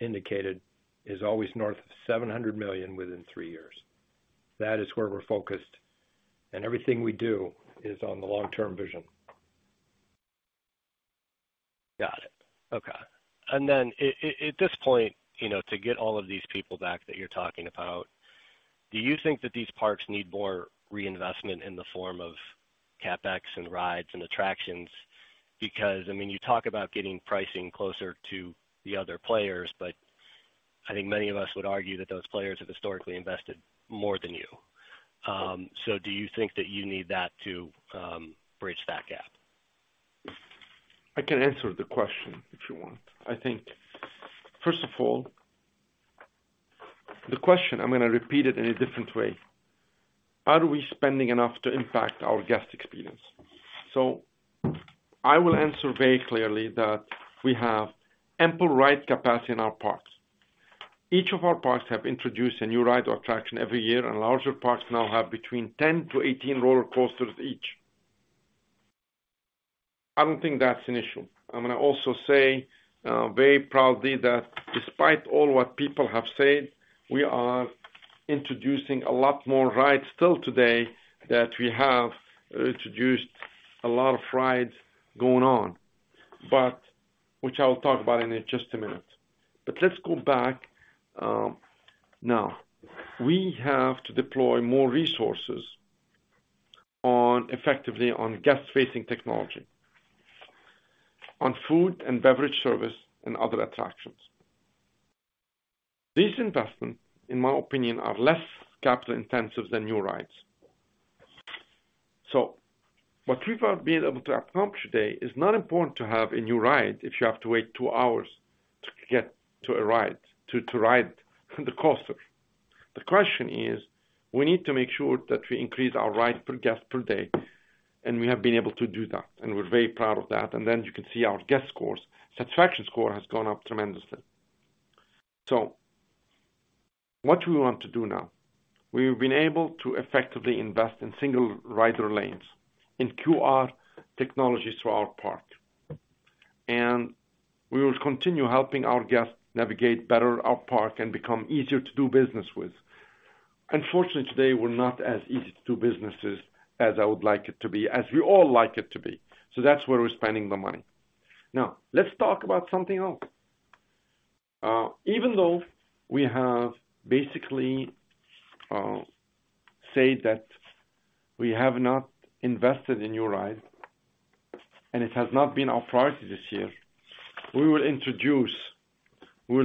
indicated, is always north of $700 million within three years. That is where we're focused, and everything we do is on the long-term vision. Got it. Okay. At this point, you know, to get all of these people back that you're talking about, do you think that these parks need more reinvestment in the form of CapEx and rides and attractions? Because, I mean, you talk about getting pricing closer to the other players, but I think many of us would argue that those players have historically invested more than you. Do you think that you need that to bridge that gap? I can answer the question if you want. I think, first of all, the question, I'm gonna repeat it in a different way. Are we spending enough to impact our guest experience? I will answer very clearly that we have ample ride capacity in our parks. Each of our parks have introduced a new ride or attraction every year, and larger parks now have between 10-18 roller coasters each. I don't think that's an issue. I'm gonna also say, very proudly that despite all what people have said, we are introducing a lot more rides still today that we have introduced a lot of rides going on, but which I will talk about in just a minute. Let's go back. Now, we have to deploy more resources on, effectively on guest-facing technology, on food and beverage service and other attractions. These investments, in my opinion, are less capital intensive than new rides. What we have been able to accomplish today is not important to have a new ride if you have to wait two hours to get to a ride, to ride the coaster. The question is, we need to make sure that we increase our rides per guest per day, and we have been able to do that, and we're very proud of that. Then you can see our guest scores. Satisfaction score has gone up tremendously. What do we want to do now? We've been able to effectively invest in single rider lanes, in QR technologies to our park. We will continue helping our guests navigate better our park and become easier to do business with. Unfortunately, today we're not as easy to do businesses as I would like it to be, as we all like it to be. That's where we're spending the money. Now, let's talk about something else. Even though we have basically said that we have not invested in new rides and it has not been our priority this year, we'll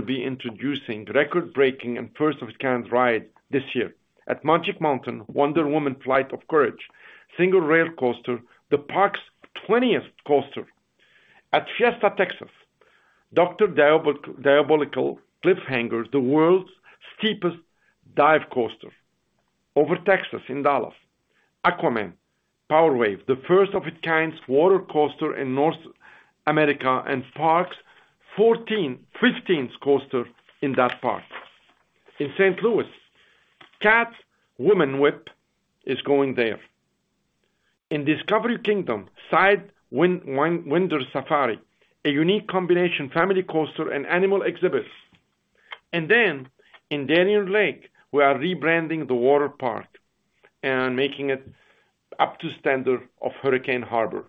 be introducing record-breaking and first of its kind ride this year. At Magic Mountain, Wonder Woman Flight of Courage, single rail coaster, the park's twentieth coaster. At Fiesta Texas, Dr. Diabolical's Cliffhanger, the world's steepest dive coaster. Over Texas in Dallas, Aquaman Power Wave, the first of its kind water coaster in North America, and park's fifteenth coaster in that park. In St. Louis, Catwoman Whip is going there. In Discovery Kingdom, Sidewinder Safari, a unique combination family coaster and animal exhibits. In Darien Lake, we are rebranding the water park and making it up to standard of Hurricane Harbor.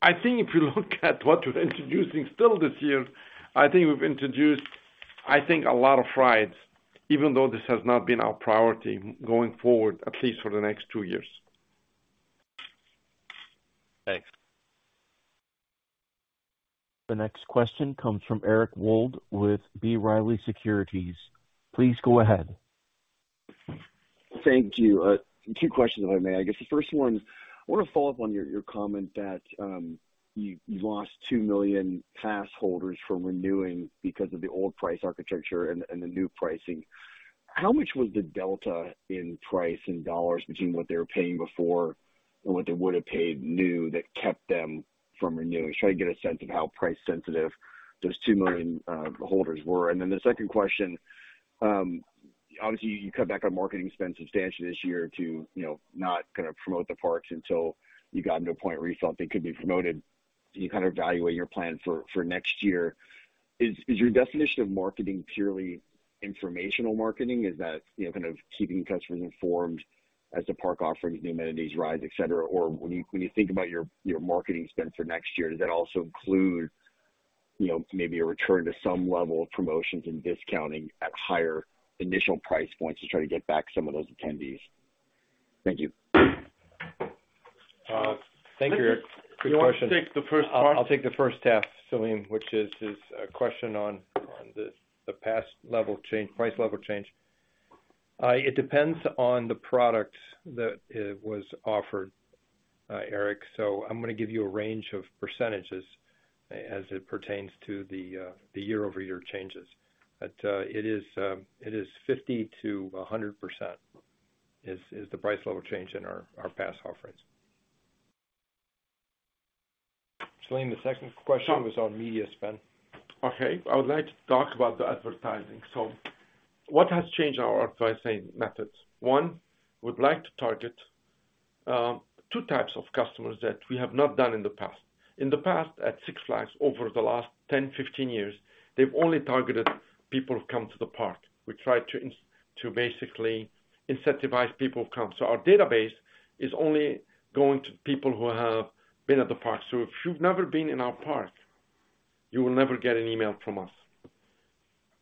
I think if you look at what we're introducing still this year, I think we've introduced, I think, a lot of rides, even though this has not been our priority going forward, at least for the next two years. Thanks. The next question comes from Eric Wold with B. Riley Securities. Please go ahead. Thank you. Two questions, if I may. I guess the first one, I wanna follow up on your comment that you lost 2 million pass holders from renewing because of the old price architecture and the new pricing. How much was the delta in price in dollars between what they were paying before and what they would have paid new that kept them from renewing? Just trying to get a sense of how price-sensitive those 2 million holders were. The second question, obviously, you cut back on marketing spend substantially this year to, you know, not gonna promote the parks until you've gotten to a point where you felt they could be promoted. You kinda evaluate your plan for next year. Is your definition of marketing purely informational marketing? Is that, you know, kind of keeping customers informed as to park offerings, new amenities, rides, et cetera? Or when you, when you think about your marketing spend for next year, does that also include, you know, maybe a return to some level of promotions and discounting at higher initial price points to try to get back some of those attendees? Thank you. Thank you, Eric. Good question. You want to take the first part? I'll take the first half, Selim, which is a question on the past level change, price level change. It depends on the products that was offered, Eric. So I'm gonna give you a range of percentages as it pertains to the year-over-year changes. It is 50%-100% the price level change in our pass offerings. Selim, the second question was on media spend. Okay. I would like to talk about the advertising. What has changed our pricing methods? One, we'd like to target two types of customers that we have not done in the past. In the past, at Six Flags, over the last 10, 15 years, they've only targeted people who come to the park. We try to basically incentivize people who come. Our database is only going to people who have been at the park. If you've never been in our park, you will never get an email from us.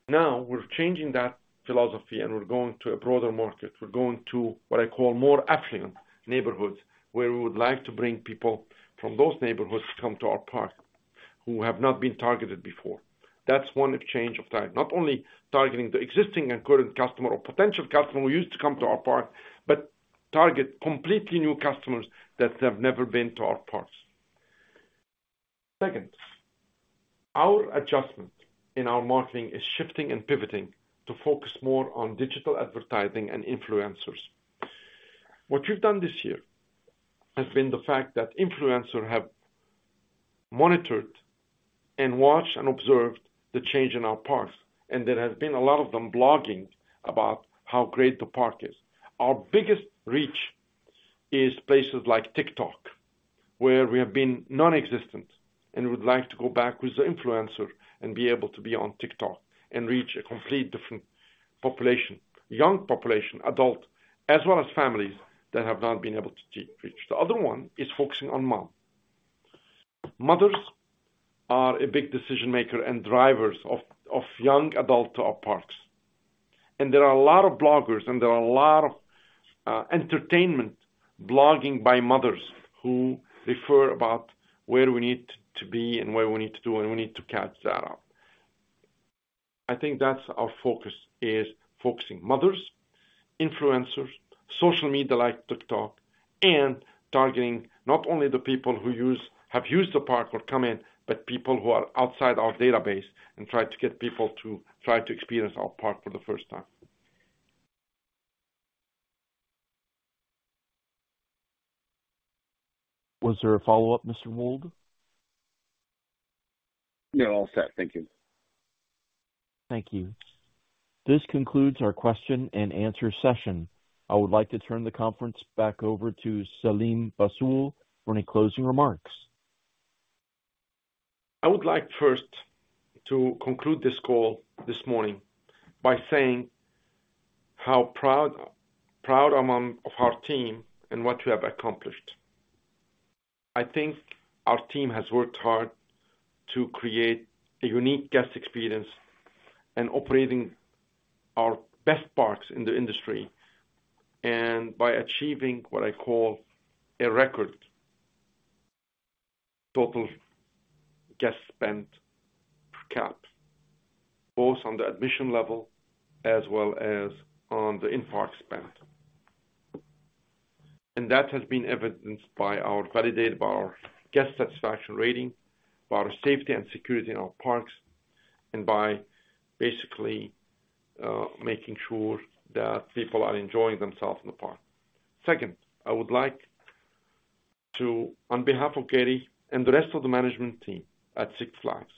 Now, we're changing that philosophy, and we're going to a broader market. We're going to what I call more affluent neighborhoods, where we would like to bring people from those neighborhoods to come to our park who have not been targeted before. That's one exchange of time. Not only targeting the existing and current customer or potential customer who used to come to our park, but target completely new customers that have never been to our parks. Second, our adjustment in our marketing is shifting and pivoting to focus more on digital advertising and influencers. What we've done this year has been the fact that influencers have monitored and watched and observed the change in our parks, and there have been a lot of them blogging about how great the park is. Our biggest reach is places like TikTok, where we have been nonexistent and would like to go back with the influencer and be able to be on TikTok and reach a completely different population. Young population, adult, as well as families that have not been able to to reach. The other one is focusing on mom. Mothers are a big decision-maker and drivers of young adult to our parks. There are a lot of bloggers and there are a lot of entertainment blogging by mothers who refer about where we need to be and where we need to do, and we need to catch that up. I think that's our focus, is focusing mothers, influencers, social media like TikTok, and targeting not only the people who have used the park or come in, but people who are outside our database and try to get people to try to experience our park for the first time. Was there a follow-up, Mr. Wold? No, all set. Thank you. Thank you. This concludes our question and answer session. I would like to turn the conference back over to Selim Bassoul for any closing remarks. I would like first to conclude this call this morning by saying how proud I am of our team and what we have accomplished. I think our team has worked hard to create a unique guest experience and operating our best parks in the industry, and by achieving what I call a record total guest spend per cap, both on the admission level as well as on the in-park spend. That has been evidenced by our validated, by our guest satisfaction rating, by our safety and security in our parks, and by basically, making sure that people are enjoying themselves in the park. Second, I would like to, on behalf of Gary and the rest of the management team at Six Flags,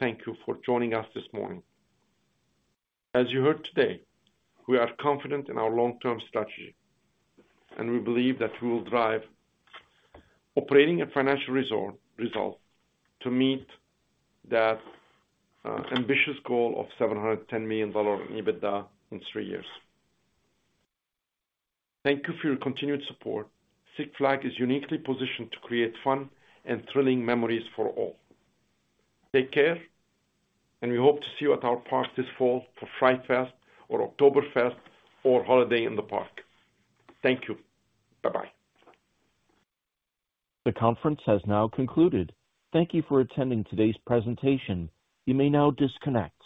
thank you for joining us this morning. As you heard today, we are confident in our long-term strategy, and we believe that we will drive operating and financial results to meet that ambitious goal of $710 million EBITDA in three years. Thank you for your continued support. Six Flags is uniquely positioned to create fun and thrilling memories for all. Take care, and we hope to see you at our parks this fall for Fright Fest or Oktoberfest or Holiday in the Park. Thank you. Bye-bye. The conference has now concluded. Thank you for attending today's presentation. You may now disconnect.